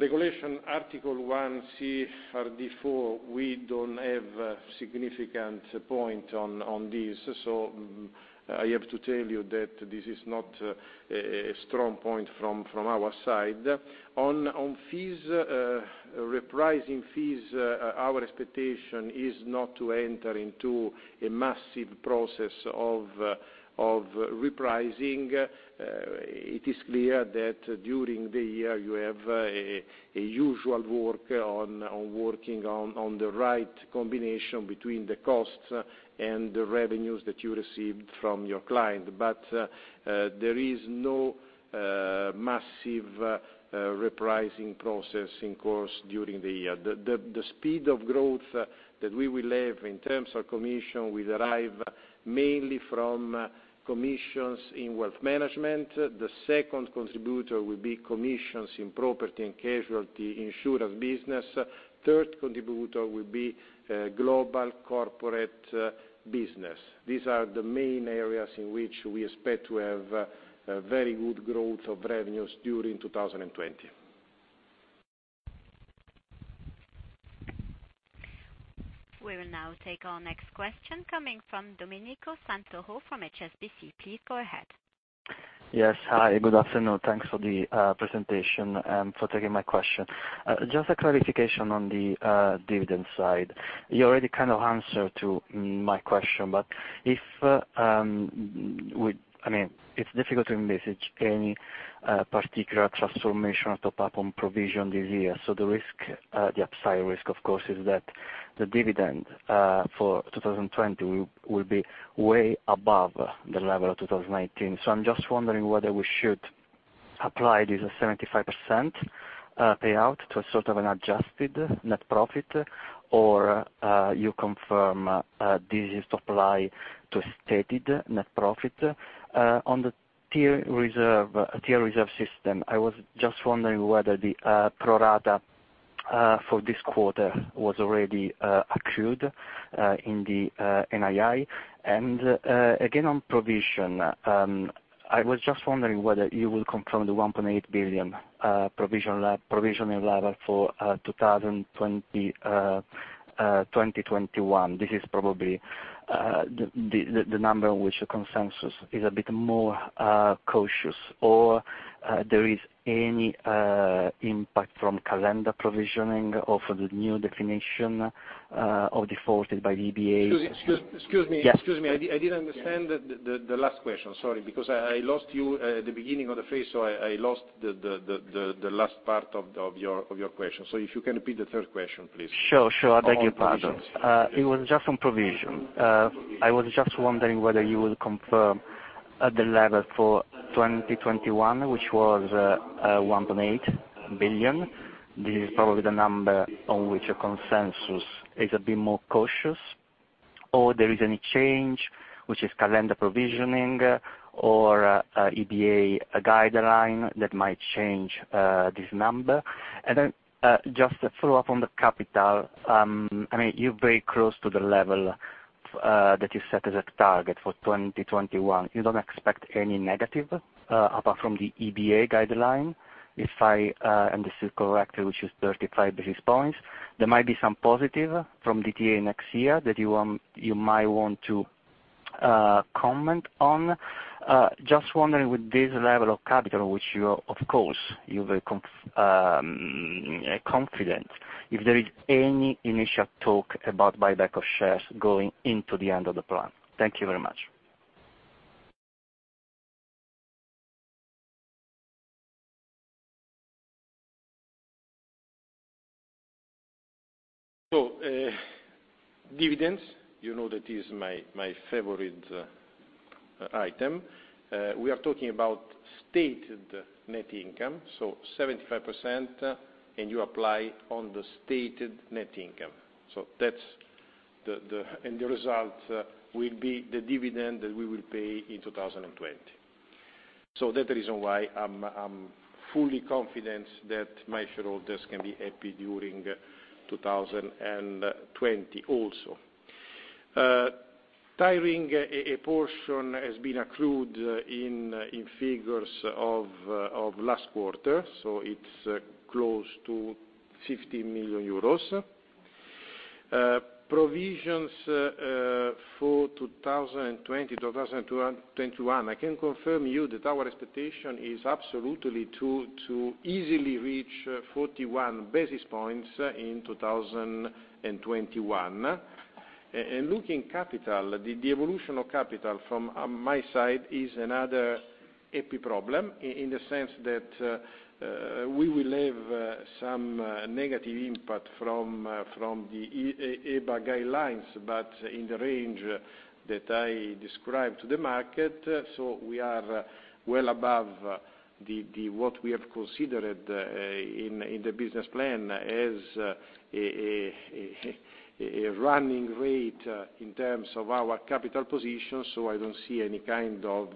Regulation Article 104a, we don't have a significant point on this so i have to tell you that this is not a strong point from our side. On fees, repricing fees, our expectation is not to enter into a massive process of repricing. It is clear that during the year, you have a usual work on working on the right combination between the costs and the revenues that you received from your client. There is no massive repricing process in course during the year the speed of growth that we will have in terms of commission will derive mainly from commissions in wealth management the second contributor will be commissions in Property and Casualty insurance business. Third contributor will be global corporate business. These are the main areas in which we expect to have very good growth of revenues during 2020. We will now take our next question coming from Domenico Santoro from HSBC. Please go ahead. Yes. Hi, good afternoon thanks for the presentation and for taking my question. Just a clarification on the dividend side. You already kind of answered to my question, but it's difficult to envisage any particular transformation or top-up on provision this year the upside risk, of course, is that the dividend for 2020 will be way above the level of 2019 so im just wondering whether we should apply this 75% payout to a sort of an adjusted net profit? or you confirm this is to apply to stated net profit? On the tier reserve system, I was just wondering whether the pro rata for this quarter was already accrued in the NII. Again, on provision, I was just wondering whether you will confirm the 1.8 billion provision level for 2021 this is probably the number which the consensus is a bit more cautious, or there is any impact from calendar provisioning of the new definition of defaulted by EBA. Excuse me. Yes. Excuse me i didn't understand the last question sorry, because I lost you at the beginning of the phrase, so I lost the last part of your question so if you can repeat the third question, please. Sure. I beg your pardon. On provisions. It was just on provision. I was just wondering whether you would confirm the level for 2021, which was 1.8 billion. This is probably the number on which the consensus is a bit more cautious. There is any change, which is calendar provisioning? or EBA guideline that might change this number. Just to follow up on the capital. You're very close to the level that you set as a target for 2021 you don't expect any negative apart from the EBA guideline? If I understood correctly, which is 35 basis points. There might be some positive from DTA next year that you might want to comment on. Just wondering with this level of capital, which you, of course, you're very confident, if there is any initial talk about buyback of shares going into the end of the plan. Thank you very much. Dividends, you know that is my favorite item. We are talking about stated net income, so 75%, you apply on the stated net income. The result will be the dividend that we will pay in 2020. That's the reason why I'm fully confident that my shareholders can be happy during 2020 also. Tier 1, a portion has been accrued in figures of last quarter, so it's close to 50 million euros. Provisions for 2020, 2021, I can confirm you that our expectation is absolutely to easily reach 41 basis points in 2021. Looking capital, the evolution of capital from my side is another happy problem, in the sense that we will have some negative impact from the EBA guidelines, but in the range that I described to the market. We are well above what we have considered in the business plan as a running rate in terms of our capital position so i don't see any kind of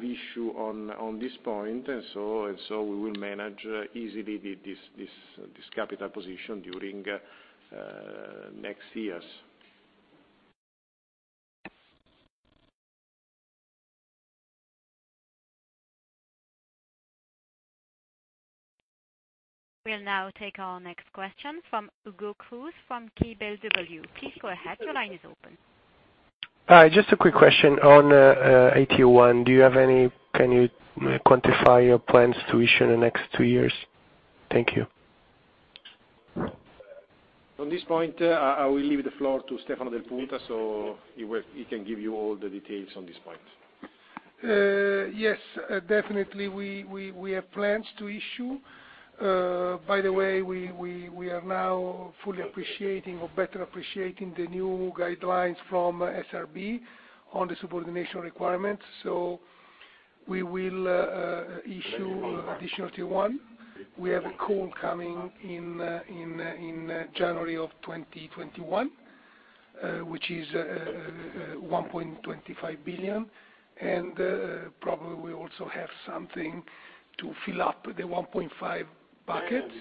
issue on this point. We will manage easily this capital position during next years. We'll now take our next question from Hugo Cruz from KBW. Please go ahead. Your line is open. Hi. Just a quick question on AT1 can you quantify your plans to issue in the next two years? Thank you. On this point, I will leave the floor to Stefano Del Punta, so he can give you all the details on this point. Yes. Definitely, we have plans to issue. By the way, we are now fully appreciating, or better appreciating the new guidelines from SRB on the subordination requirements. We will issue additional Tier 1. We have a call coming in January 2021, which is 1.25 billion, and probably we also have something to fill up the 1.5 buckets.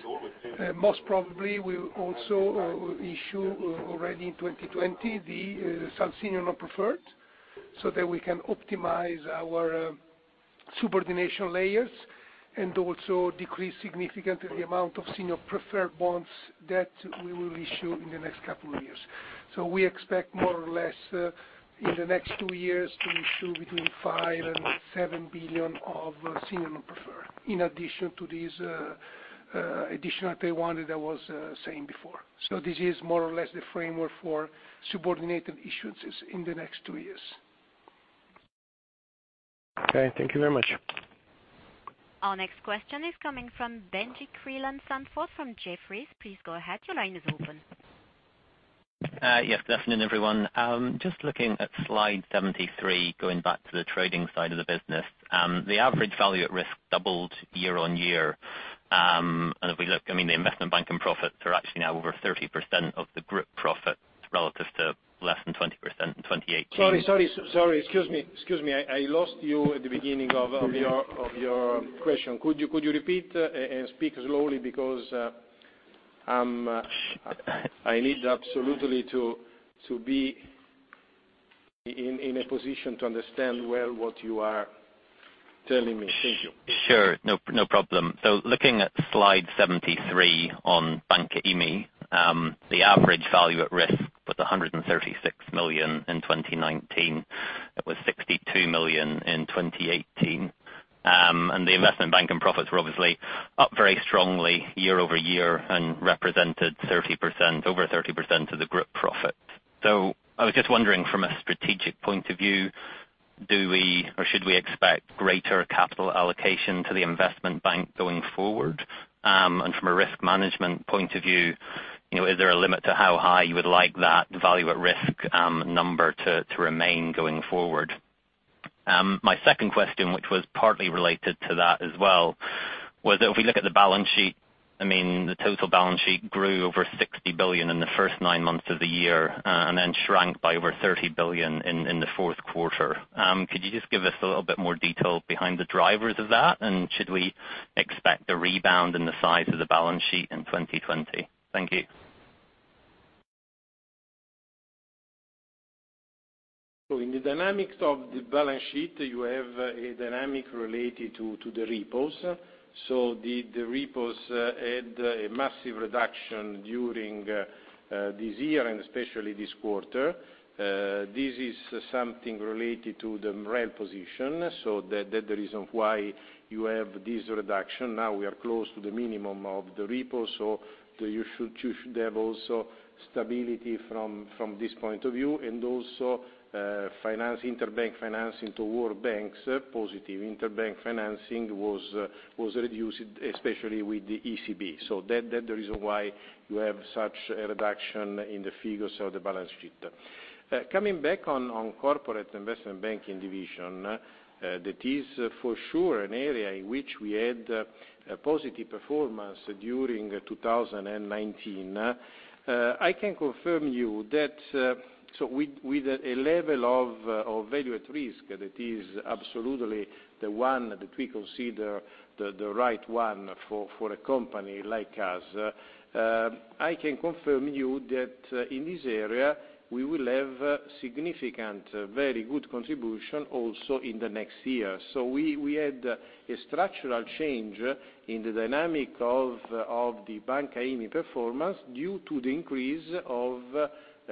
Most probably, we also will issue already in 2020, the sub-senior non-preferred, so that we can optimize our subordination layers, also decrease significantly the amount of senior preferred bonds that we will issue in the next couple of years. We expect more or less in the next two years to issue between 5 billion and 7 billion of senior preferred, in addition to these additional Tier 1 that I was saying before. This is more or less the framework for subordinated issuances in the next two years. Okay, thank you very much. Our next question is coming from Benjie Creelan-Sandford from Jefferies. Please go ahead. Your line is open. Yes, good afternoon, everyone. Just looking at slide 73, going back to the trading side of the business. The average Value at Risk doubled year-over-year. If we look, the investment banking profits are actually now over 30% of the group profits relative to less than 20% in 2018. Sorry. Excuse me. I lost you at the beginning of your question could you repeat and speak slowly because I need absolutely to be in a position to understand well what you are telling me. Thank you. Sure. No problem. Looking at slide 73 on Banca IMI, the average value at risk was 136 million in 2019. It was 62 million in 2018. The investment banking profits were obviously up very strongly year-over-year and represented over 30% of the group profit. I was just wondering from a strategic point of view, do we or should we expect greater capital allocation to the investment bank going forward? From a risk management point of view, is there a limit to how high you would like that value at risk number to remain going forward? My second question, which was partly related to that as well, was that if we look at the balance sheet, the total balance sheet grew over 60 billion in the first nine months of the year, and then shrank by over 30 billion in the Q4. Could you just give us a little bit more detail behind the drivers of that? Should we expect a rebound in the size of the balance sheet in 2020? Thank you. In the dynamics of the balance sheet, you have a dynamic related to the repos. The repos had a massive reduction during this year and especially this quarter. This is something related to the MREL position so that the reason why you have this reduction now we are close to the minimum of the repo, you should have also stability from this point of view. Interbank financing toward banks, positive interbank financing was reduced, especially with the ECB so that the reason why you have such a reduction in the figures of the balance sheet. Coming Corporate Investment Banking division, that is for sure an area in which we had a positive performance during 2019. I can confirm you that with a level of Value at Risk, that is absolutely the one that we consider the right one for a company like us. I can confirm you that in this area, we will have significant, very good contribution also in the next year. We had a structural change in the dynamic of the Banca IMI performance due to the increase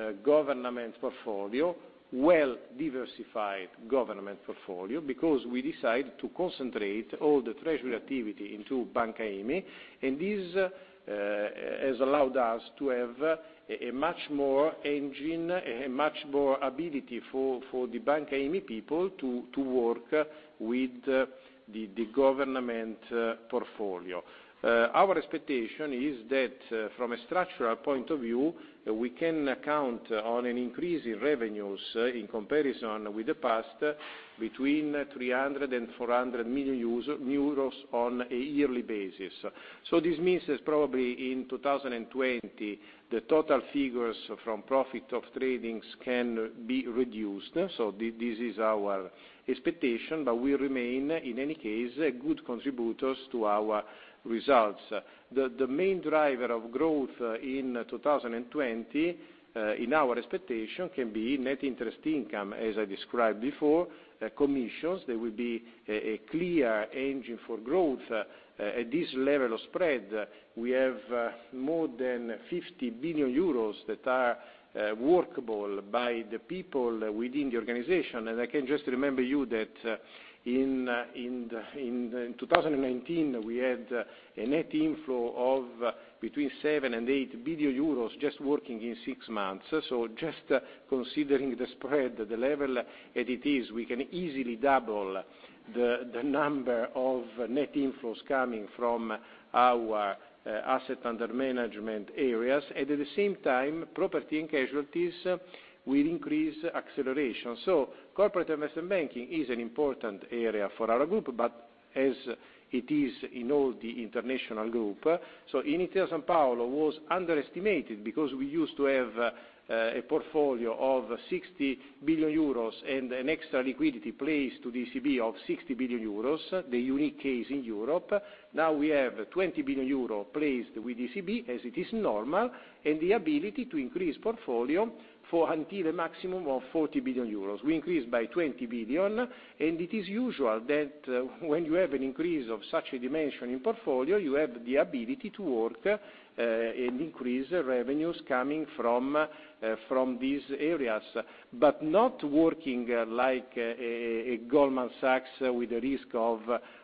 of government portfolio, well-diversified government portfolio, because we decided to concentrate all the treasury activity into Banca IMI. This has allowed us to have a much more engine, a much more ability for the Banca IMI people to work with the government portfolio. Our expectation is that from a structural point of view, we can count on an increase in revenues in comparison with the past, between 300 million euros and 400 million on a yearly basis. This means that probably in 2020, the total figures from profit of tradings can be reduced so this is our expectation, but will remain, in any case, good contributors to our results. The main driver of growth in 2020, in our expectation, can be net interest income, as I described before. Commissions, they will be a clear engine for growth at this level of spread. We have more than 50 billion euros that are workable by the people within the organization i can just remember you that in- -2019, we had a net inflow of between 7 billion and 8 billion euros just working in six months so just considering the spread, the level as it is, we can easily double the number of net inflows coming from our asset under management areas at the same time, Property and Casualties will increase acceleration. Corporate Investment Banking is an important area for our group, as it is in all the international group. Intesa Sanpaolo was underestimated because we used to have a portfolio of 60 billion euros and an extra liquidity placed to the ECB of 60 billion euros, the unique case in Europe. Now we have 20 billion euros placed with ECB as it is normal, and the ability to increase portfolio for until a maximum of 40 billion euros we increased by 20 billion, and it is usual that when you have an increase of such a dimension in portfolio, you have the ability to work and increase revenues coming from these areas. Not working like a Goldman Sachs with the risk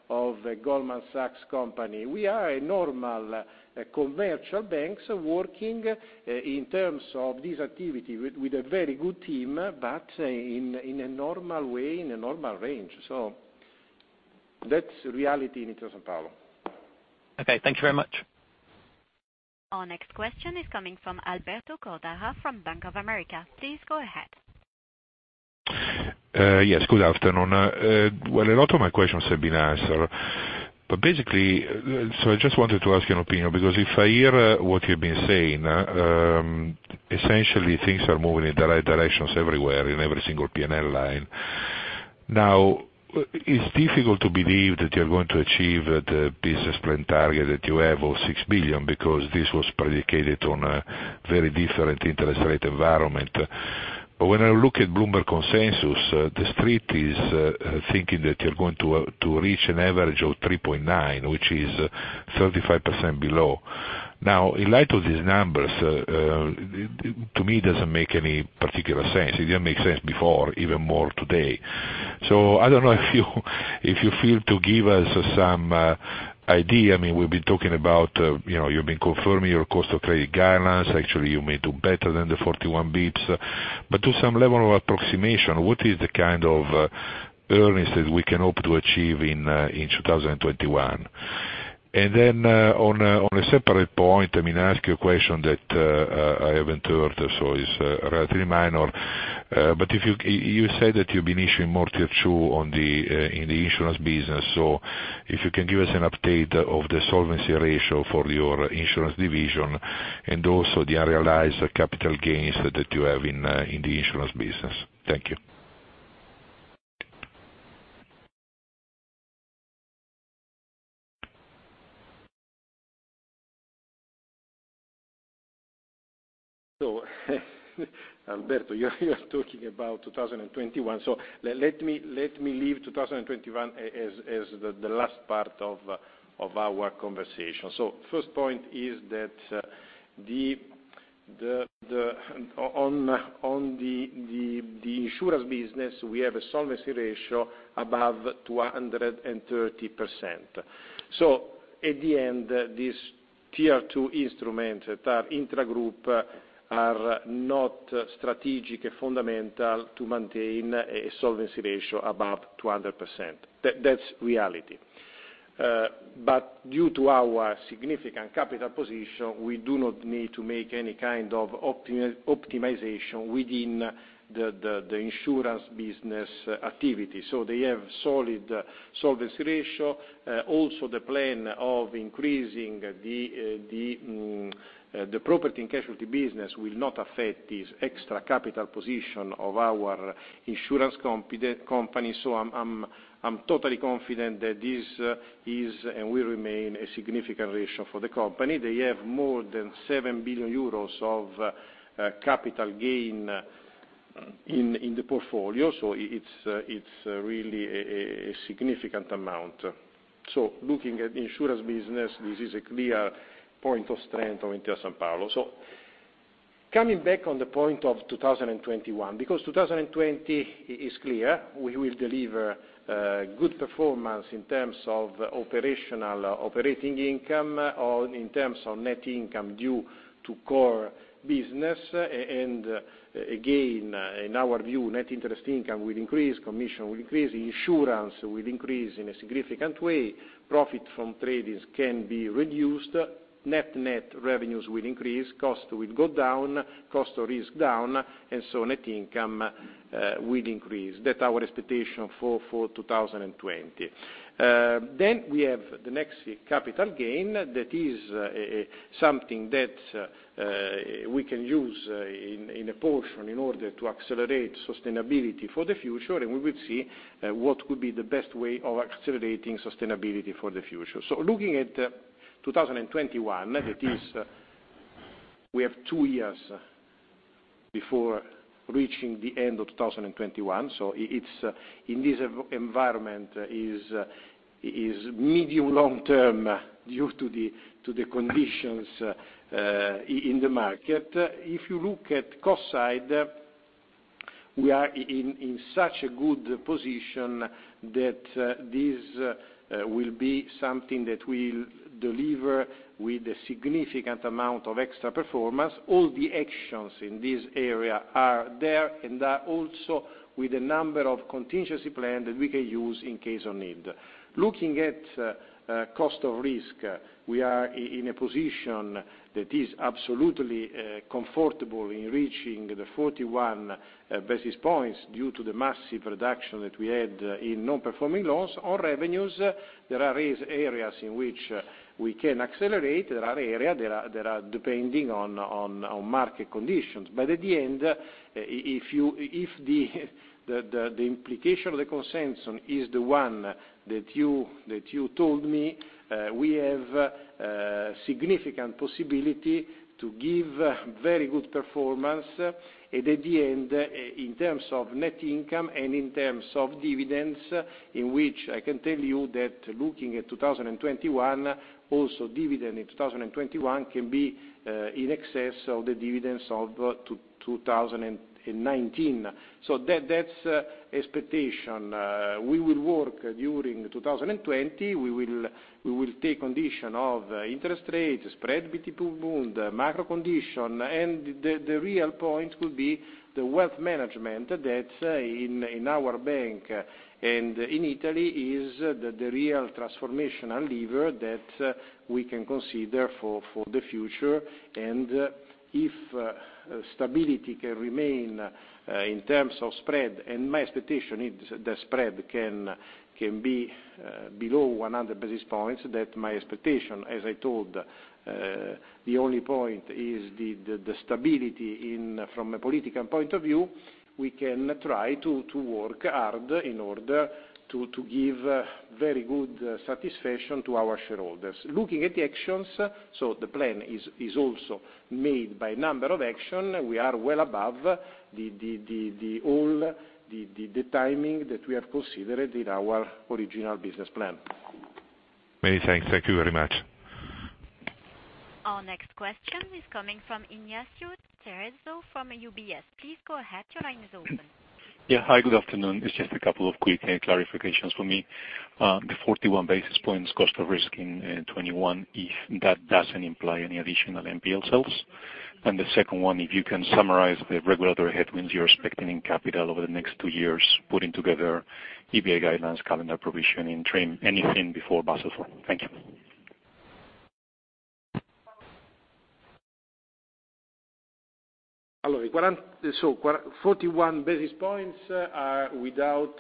of Goldman Sachs company we are a normal commercial banks working in terms of this activity with a very good team, but in a normal way, in a normal range. That's reality in Intesa Sanpaolo. Okay. Thank you very much. Our next question is coming from Alberto Cordara from Bank of America. Please go ahead. Yes, good afternoon. A lot of my questions have been answered. Basically, I just wanted to ask your opinion, because if I hear what you've been saying, essentially things are moving in the right directions everywhere in every single P&L line. It's difficult to believe that you're going to achieve the business plan target that you have of 6 billion because this was predicated on a very different interest rate environment. When I look at Bloomberg consensus, the Street is thinking that you're going to reach an average of 3.9 billion, which is 35% below. In light of these numbers, to me, it doesn't make any particular sense it didn't make sense before, even more today. I don't know if you feel to give us some idea we've been talking about, you've been confirming your cost of credit guidelines. Actually, you may do better than the 41 basis points to some level of approximation, what is the kind of earnings that we can hope to achieve in 2021? On a separate point, I ask you a question that I haven't heard, so it's relatively minor. You said that you've been issuing more Tier 2 in the insurance business. If you can give us an update of the solvency ratio for your insurance division and also the unrealized capital gains that you have in the insurance business. Thank you. Alberto, you are talking about 2021. Let me leave 2021 as the last part of our conversation so first point is that on the insurance business, we have a solvency ratio above 230%. At the end, this Tier 2 instrument that are intragroup are not strategic and fundamental to maintain a solvency ratio above 200%. That's reality. Due to our significant capital position, we do not need to make any kind of optimization within the insurance business activity so they have solid solvency ratio. Also, the plan of increasing the Property and Casualty business will not affect this extra capital position of our insurance company so im totally confident that this is and will remain a significant ratio for the company they have more than 7 billion euros of capital gain in the portfolio. It's really a significant amount. Looking at the insurance business, this is a clear point of strength of Intesa Sanpaolo. Coming back on the point of 2021, because 2020 is clear, we will deliver good performance in terms of operating income or in terms of net income due to core business. Again, in our view, net interest income will increase, commission will increase, insurance will increase in a significant way. Profit from tradings can be reduced. Net revenues will increase, cost will go down, cost of risk down, net income will increase that is our expectation for 2020. We have the next capital gain that is something that we can use in a portion in order to accelerate sustainability for the future, we will see what could be the best way of accelerating sustainability for the future so looking at 2021, that is we have two years before reaching the end of 2021. In this environment is medium long-term due to the conditions in the market. If you look at cost side. We are in such a good position that this will be something that will deliver with a significant amount of extra performance all the actions in this area are there, and also with a number of contingency plan that we can use in case of need. Looking at cost of risk, we are in a position that is absolutely comfortable in reaching the 41 basis points due to the massive reduction that we had in non-performing loans on revenues, there are areas in which we can accelerate there are areas that are depending on market conditions but at the end, if the implication of the consensus is the one that you told me, we have significant possibility to give very good performance. At the end, in terms of net income and in terms of dividends, in which I can tell you that looking at 2021, also dividend in 2021 can be in excess of the dividends of 2019. That's expectation. We will work during 2020 we will take condition of interest rate, spread between Bund, macro condition, and the real point could be the wealth management that's in our bank and in Italy is the real transformational lever that we can consider for the future and if stability can remain in terms of spread, and my expectation is the spread can- -be below 100 basis points, that my expectation, as I told, the only point is the stability from a political point of view, we can try to work hard in order to give very good satisfaction to our shareholders. Looking at the actions, so the plan is also made by number of action we are well above the timing that we have considered in our original business plan. Many thanks. Thank you very much. Our next question is coming from Ignacio Cerezo from UBS. Please go ahead. Your line is open. Yeah hi, good afternoon. It's just a couple of quick clarifications for me. The 41 basis points cost of risk in 2021, if that doesn't imply any additional NPL sales. The second one, if you can summarize the regulatory headwinds you're expecting in capital over the next two years, putting together EBA guidelines, calendar provision in TRIM anything before Basel IV. Thank you. 41 basis points are without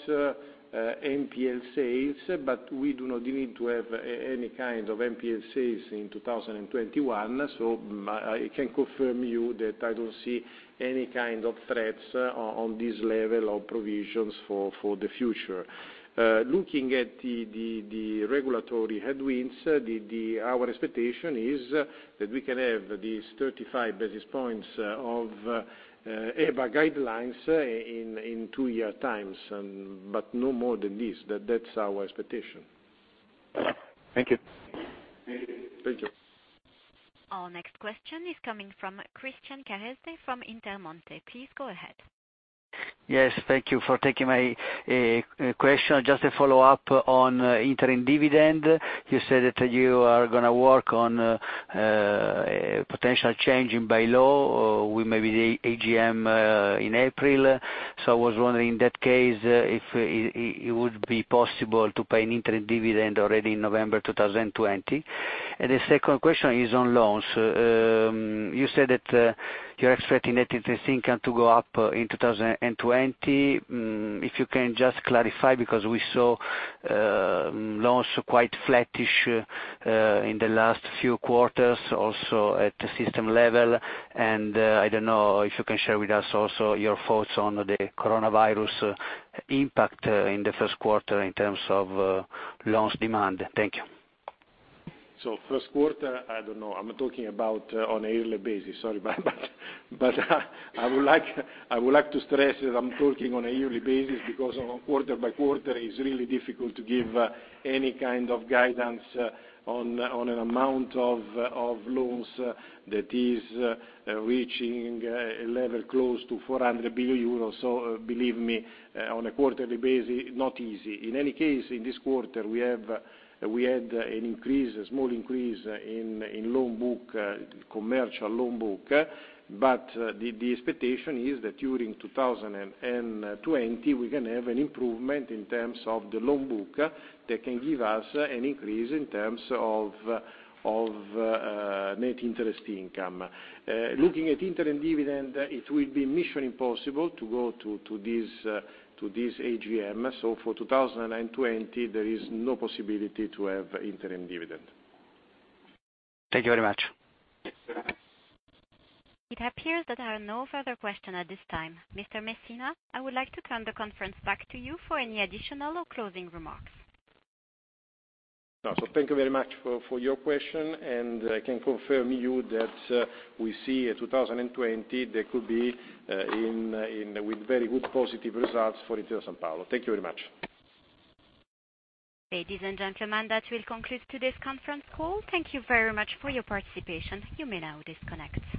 NPL sales, but we do not need to have any kind of NPL sales in 2021 so i can confirm you that I don't see any kind of threats on this level of provisions for the future. Looking at the regulatory headwinds, our expectation is that we can have these 35 basis points of EBA guidelines in two year times, but no more than this that's our expectation. Thank you. Thank you. Our next question is coming from Christian Careste from Intermonte. Please go ahead. Yes. Thank you for taking my question just a follow-up on interim dividend. You said that you are going to work on potential change in by law with maybe the AGM in April. I was wondering, in that case, if it would be possible to pay an interim dividend already in November 2020. The second question is on loans. You said that you're expecting net interest income to go up in 2020. If you can just clarify, because we saw loans quite flattish in the last few quarters, also at the system level. I don't know if you can share with us also your thoughts on the Corona virus impact in the Q1 in terms of loans demand thank you. Q1, I don't know i'm talking about on a yearly basis. Sorry about that but I would like to stress that I'm talking on a yearly basis, because on a quarter by quarter, it's really difficult to give any kind of guidance on an amount of loans that is reaching a level close to 400 billion euros so believe me, on a quarterly basis, not easy in any case, in this quarter, we had a small increase in commercial loan book. The expectation is that during 2020, we can have an improvement in terms of the loan book that can give us an increase in terms of net interest income. Looking at interim dividend, it will be mission impossible to go to this AGM so for 2020, there is no possibility to have interim dividend. Thank you very much. It appears that there are no further question at this time. Mr. Messina, I would like to turn the conference back to you for any additional or closing remarks. Thank you very much for your question, and I can confirm you that we see 2020, there could be with very good positive results for Intesa Sanpaolo thank you very much. Ladies and gentlemen, that will conclude today's conference call. Thank you very much for your participation. You may now disconnect.